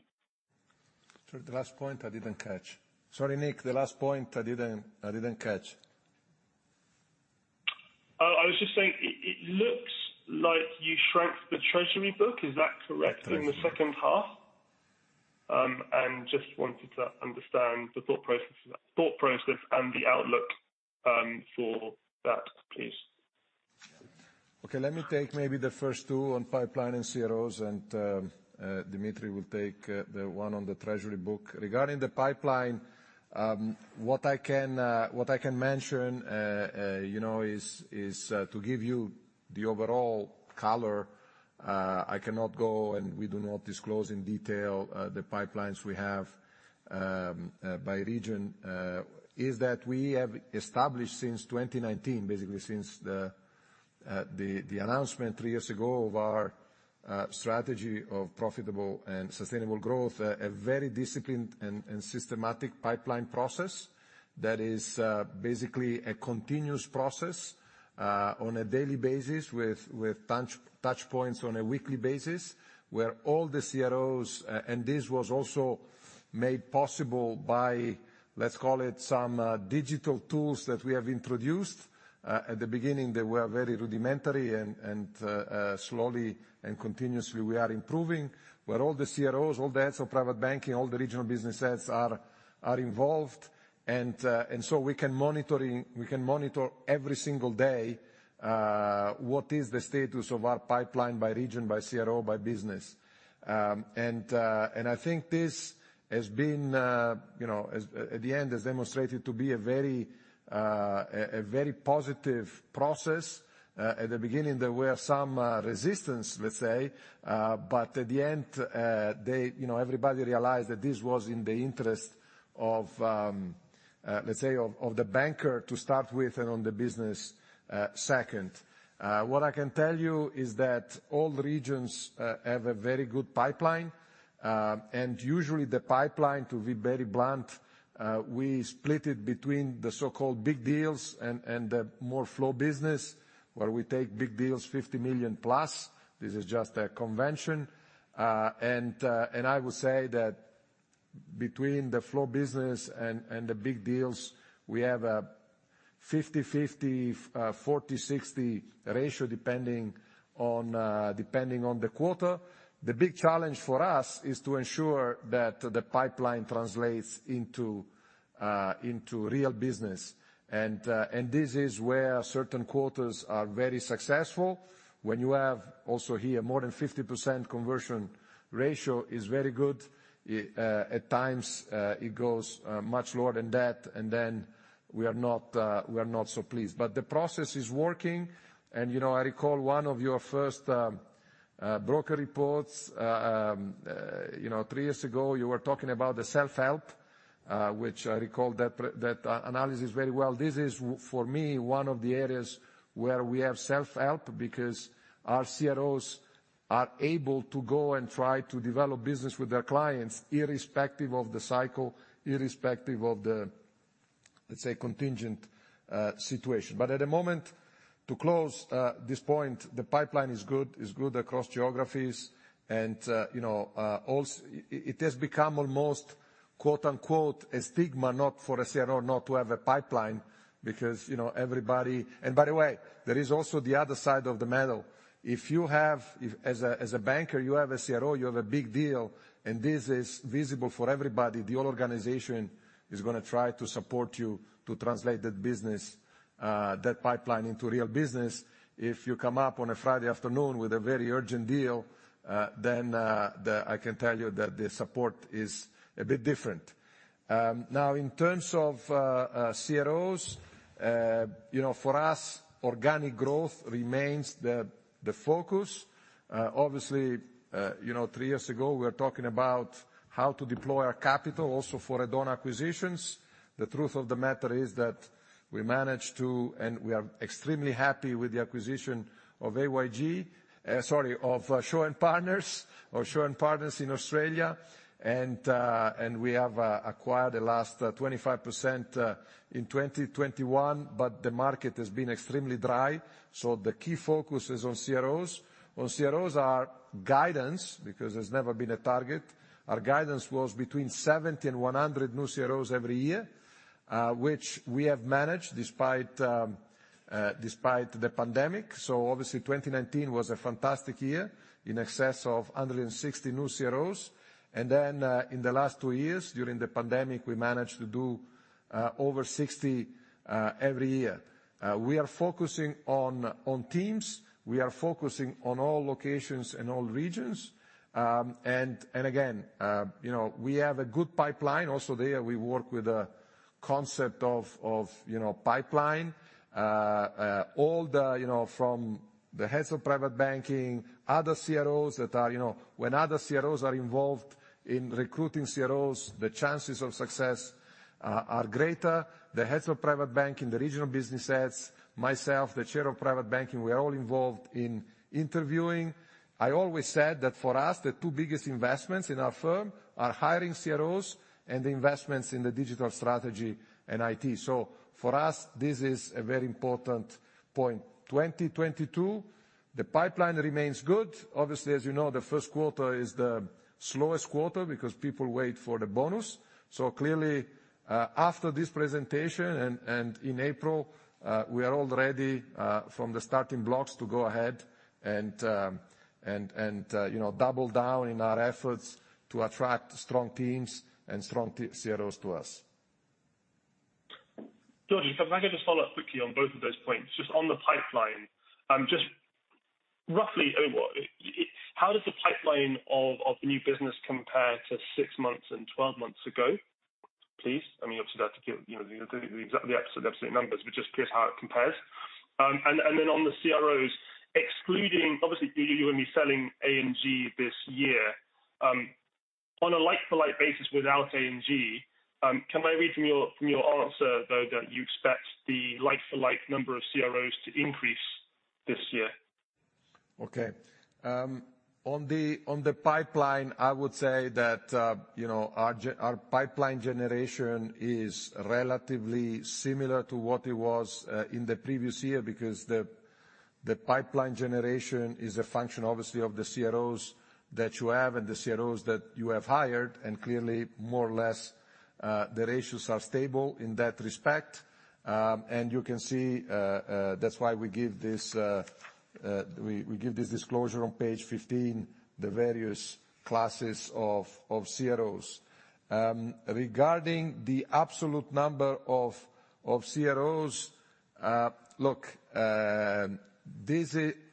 Sorry, the last point I didn't catch. Sorry, Nick, the last point I didn't catch. I was just saying it looks like you shrank the treasury book. Is that correct? Okay. In the second half? Just wanted to understand the thought process and the outlook for that, please. Okay. Let me take maybe the first two on pipeline and CROs and, Dimitris will take the one on the treasury book. Regarding the pipeline, what I can mention, you know, is to give you the overall color. I cannot go and we do not disclose in detail the pipelines we have by region. That is, we have established since 2019, basically since the announcement three years ago of our strategy of profitable and sustainable growth, a very disciplined and systematic pipeline process that is basically a continuous process on a daily basis with touch points on a weekly basis, where all the CROs. This was also made possible by, let's call it some digital tools that we have introduced. At the beginning, they were very rudimentary and slowly and continuously we are improving where all the CROs, all the heads of private banking, all the regional business heads are involved. We can monitor every single day what is the status of our pipeline by region, by CRO, by business. I think this has been, you know, and at the end has demonstrated to be a very positive process. At the beginning, there were some resistance, let's say. At the end, they, you know, everybody realized that this was in the interest of, let's say, of the banker to start with and on the business, second. What I can tell you is that all regions have a very good pipeline. Usually the pipeline, to be very blunt, we split it between the so-called big deals and the more flow business where we take big deals, 50 million-plus. This is just a convention. I would say that between the flow business and the big deals, we have a 50-50, 40-60 ratio, depending on the quarter. The big challenge for us is to ensure that the pipeline translates into real business. This is where certain quarters are very successful. When you have also here more than 50% conversion ratio is very good. At times, it goes much lower than that, and then we are not so pleased. The process is working. You know, I recall one of your first broker reports. You know, three years ago, you were talking about the self-help, which I recall that analysis very well. This is for me, one of the areas where we have self-help because our CROs are able to go and try to develop business with their clients irrespective of the cycle, irrespective of the, let's say, contingent situation. At the moment, to close this point, the pipeline is good across geographies and you know also. It has become almost quote-unquote "a stigma," not for a CRO not to have a pipeline because everybody. By the way, there is also the other side of the medal. If as a banker, you have a CRO, you have a big deal, and this is visible for everybody, the whole organization is gonna try to support you to translate that business, that pipeline into real business. If you come up on a Friday afternoon with a very urgent deal, then I can tell you that the support is a bit different. Now, in terms of CROs, for us, organic growth remains the focus. Obviously, three years ago, we were talking about how to deploy our capital also for add-on acquisitions. The truth of the matter is that we managed to, and we are extremely happy with the acquisition of A&G. Sorry, of Shaw and Partners in Australia. We have acquired the last 25% in 2021, but the market has been extremely dry. The key focus is on CSOs. On CSOs, our guidance, because there's never been a target, our guidance was between 70 and 100 new CSOs every year, which we have managed despite the pandemic. Obviously 2019 was a fantastic year, in excess of 160 new CSOs. In the last two years, during the pandemic, we managed to do over 60 every year. We are focusing on teams. We are focusing on all locations and all regions. Again, you know, we have a good pipeline also there. We work with a concept of you know, pipeline. All the you know, from the heads of private banking, other CROs that are you know. When other CROs are involved in recruiting CROs, the chances of success are greater. The heads of private banking, the regional business heads, myself, the chair of private banking, we are all involved in interviewing. I always said that for us, the two biggest investments in our firm are hiring CROs and the investments in the digital strategy and IT. For us, this is a very important point. 2022, the pipeline remains good. Obviously, as you know, the first quarter is the slowest quarter because people wait for the bonus. Clearly, after this presentation and in April, we are all ready from the starting blocks to go ahead and, you know, double down in our efforts to attract strong teams and strong CROs to us. Giorgio, if I could just follow up quickly on both of those points. Just on the pipeline, just roughly overall, how does the pipeline of new business compare to 6 months and 12 months ago, please? I mean, obviously, you don't have to give, you know, the exact, the absolute numbers, but just curious how it compares. Then on the CSOs, excluding obviously you're going to be selling EFGAM this year, on a like for like basis without EFGAM, can I read from your, from your answer though that you expect the like for like number of CSOs to increase this year? Okay. On the pipeline, I would say that, you know, our pipeline generation is relatively similar to what it was in the previous year because the pipeline generation is a function obviously of the CSOs that you have and the CSOs that you have hired, and clearly more or less the ratios are stable in that respect. You can see that's why we give this disclosure on page 15, the various classes of CSOs. Regarding the absolute number of CSOs, look,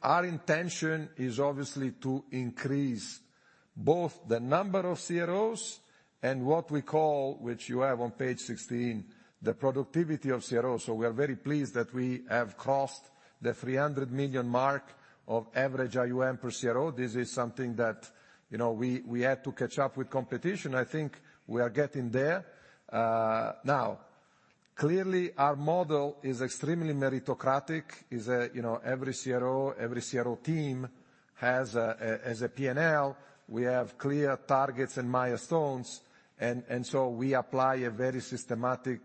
our intention is obviously to increase both the number of CSOs and what we call, which you have on page 16, the productivity of CSOs. We are very pleased that we have crossed the 300 million mark of average IUM per CRO. This is something that, you know, we had to catch up with competition. I think we are getting there. Now, clearly, our model is extremely meritocratic, you know, every CRO team has a P&L. We have clear targets and milestones, and we apply a very systematic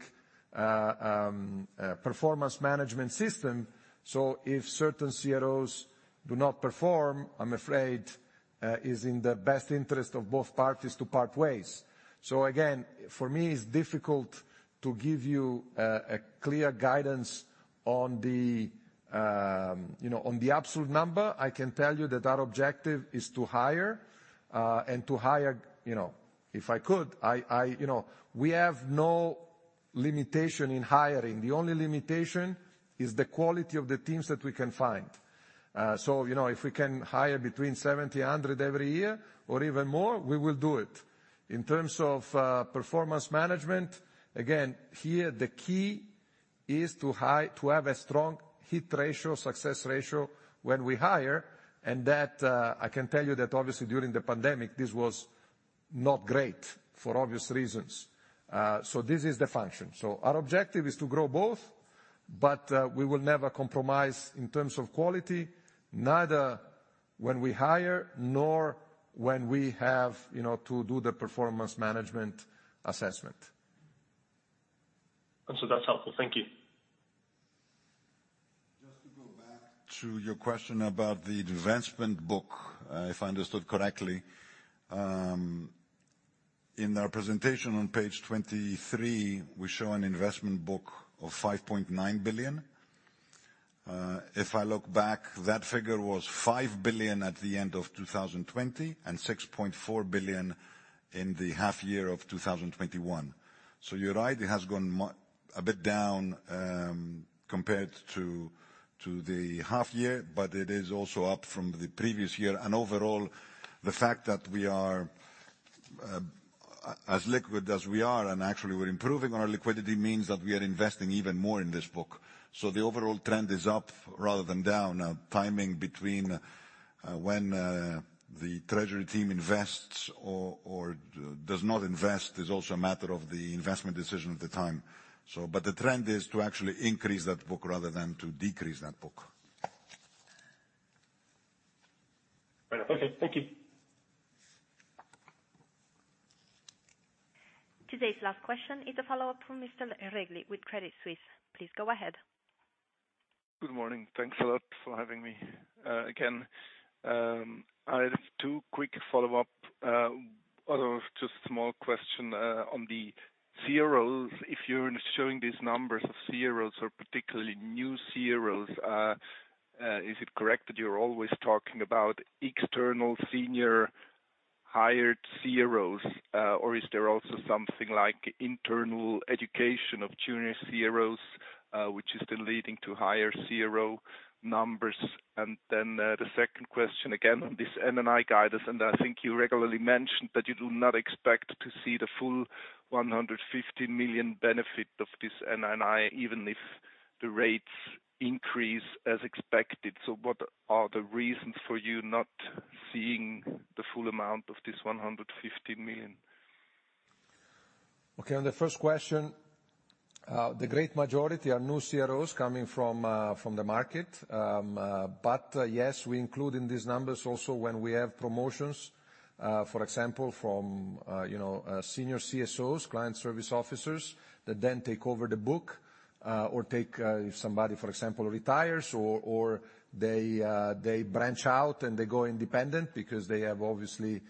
performance management system. If certain CROs do not perform, I'm afraid, it's in the best interest of both parties to part ways. Again, for me, it's difficult to give you a clear guidance on the, you know, on the absolute number. I can tell you that our objective is to hire, you know, if I could, I... You know, we have no limitation in hiring. The only limitation is the quality of the teams that we can find. If we can hire between 70 and 100 every year or even more, we will do it. In terms of performance management, again, here the key is to have a strong hit ratio, success ratio when we hire, and that I can tell you that obviously during the pandemic, this was not great for obvious reasons. This is the function. Our objective is to grow both, but we will never compromise in terms of quality, neither when we hire nor when we have, you know, to do the performance management assessment. That's helpful. Thank you. Just to go back to your question about the investment book, if I understood correctly. In our presentation on page 23, we show an investment book of 5.9 billion. If I look back, that figure was 5 billion at the end of 2020 and 6.4 billion in the half year of 2021. You're right, it has gone a bit down compared to the half year, but it is also up from the previous year. Overall, the fact that we are as liquid as we are, and actually we're improving our liquidity, means that we are investing even more in this book. The overall trend is up rather than down. Now, timing between when the treasury team invests or does not invest is also a matter of the investment decision at the time, so. The trend is to actually increase that book rather than to decrease that book. Okay. Thank you. Today's last question is a follow-up from Daniel Regli with Credit Suisse. Please go ahead. Good morning. Thanks a lot for having me again. I have two quick follow-up or just small question on the CSOs. If you're showing these numbers of CSOs, or particularly new CSOs, is it correct that you're always talking about external senior hired CSOs, or is there also something like internal education of junior CSOs, which is then leading to higher CSO numbers? Then, the second question, again, on this NII guidance, and I think you regularly mentioned that you do not expect to see the full 150 million benefit of this NII, even if the rates increase as expected. What are the reasons for you not seeing the full amount of this 150 million? Okay, on the first question, the great majority are new CROs coming from the market. Yes, we include in these numbers also when we have promotions, for example, from you know, senior CSOs, client service officers, that then take over the book, or if somebody, for example, retires or they branch out and they go independent because they have obviously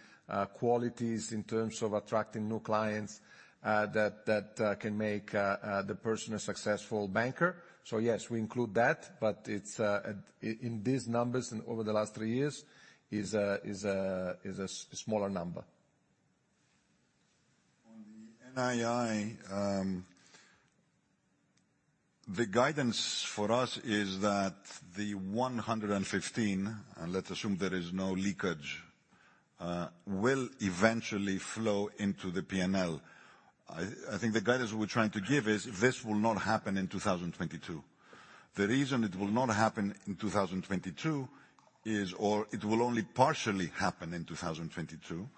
qualities in terms of attracting new clients, that can make the person a successful banker. Yes, we include that, but it's in these numbers and over the last three years is a smaller number. On the NII, the guidance for us is that the 115, and let's assume there is no leakage, will eventually flow into the P&L. I think the guidance we're trying to give is this will not happen in 2022. The reason it will not happen in 2022 is or it will only partially happen in 2022,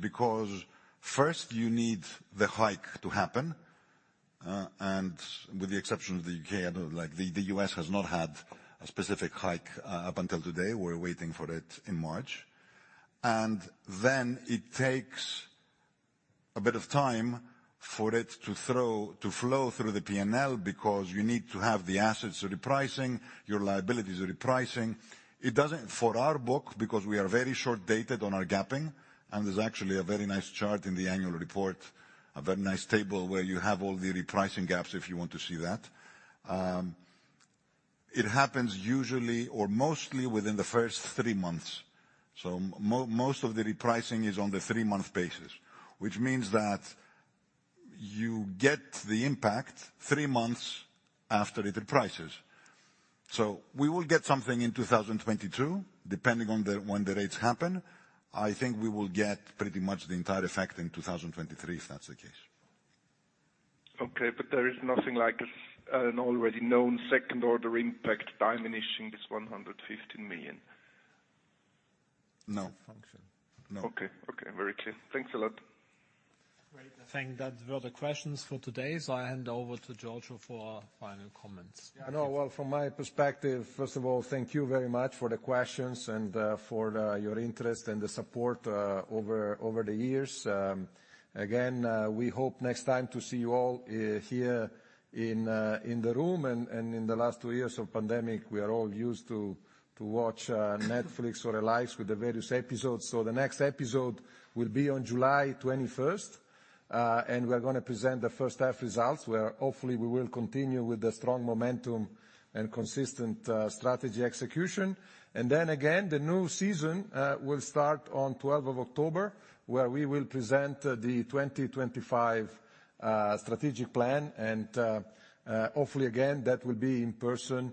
because first you need the hike to happen. With the exception of the U.K., the U.S. has not had a specific hike up until today. We're waiting for it in March. Then it takes a bit of time for it to flow through the P&L because you need to have the assets repricing, your liabilities repricing. It doesn't. For our book, because we are very short-dated on our gaps, and there's actually a very nice chart in the annual report, a very nice table where you have all the repricing gaps if you want to see that, it happens usually or mostly within the first three months. Most of the repricing is on the 3-month basis, which means that you get the impact three months after it reprices. We will get something in 2022, depending on when the rates happen. I think we will get pretty much the entire effect in 2023, if that's the case. Okay, there is nothing like an already known second-order impact diminishing this 150 million? No. Function. Okay. Very clear. Thanks a lot. Great. I think that was the questions for today, so I hand over to Giorgio for final comments. Yeah, no. Well, from my perspective, first of all, thank you very much for the questions and for your interest and the support over the years. Again, we hope next time to see you all here in the room. In the last two years of pandemic, we are all used to watch Netflix or the likes with the various episodes. The next episode will be on July 21, and we're gonna present the first half results, where hopefully we will continue with the strong momentum and consistent strategy execution. Then again, the new season will start on October 12, where we will present the 2025 strategic plan and hopefully again that will be in person.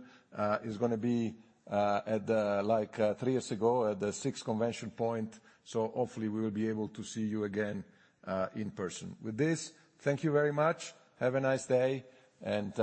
It's gonna be like three years ago at the SIX ConventionPoint. Hopefully we will be able to see you again in person. With this, thank you very much. Have a nice day and,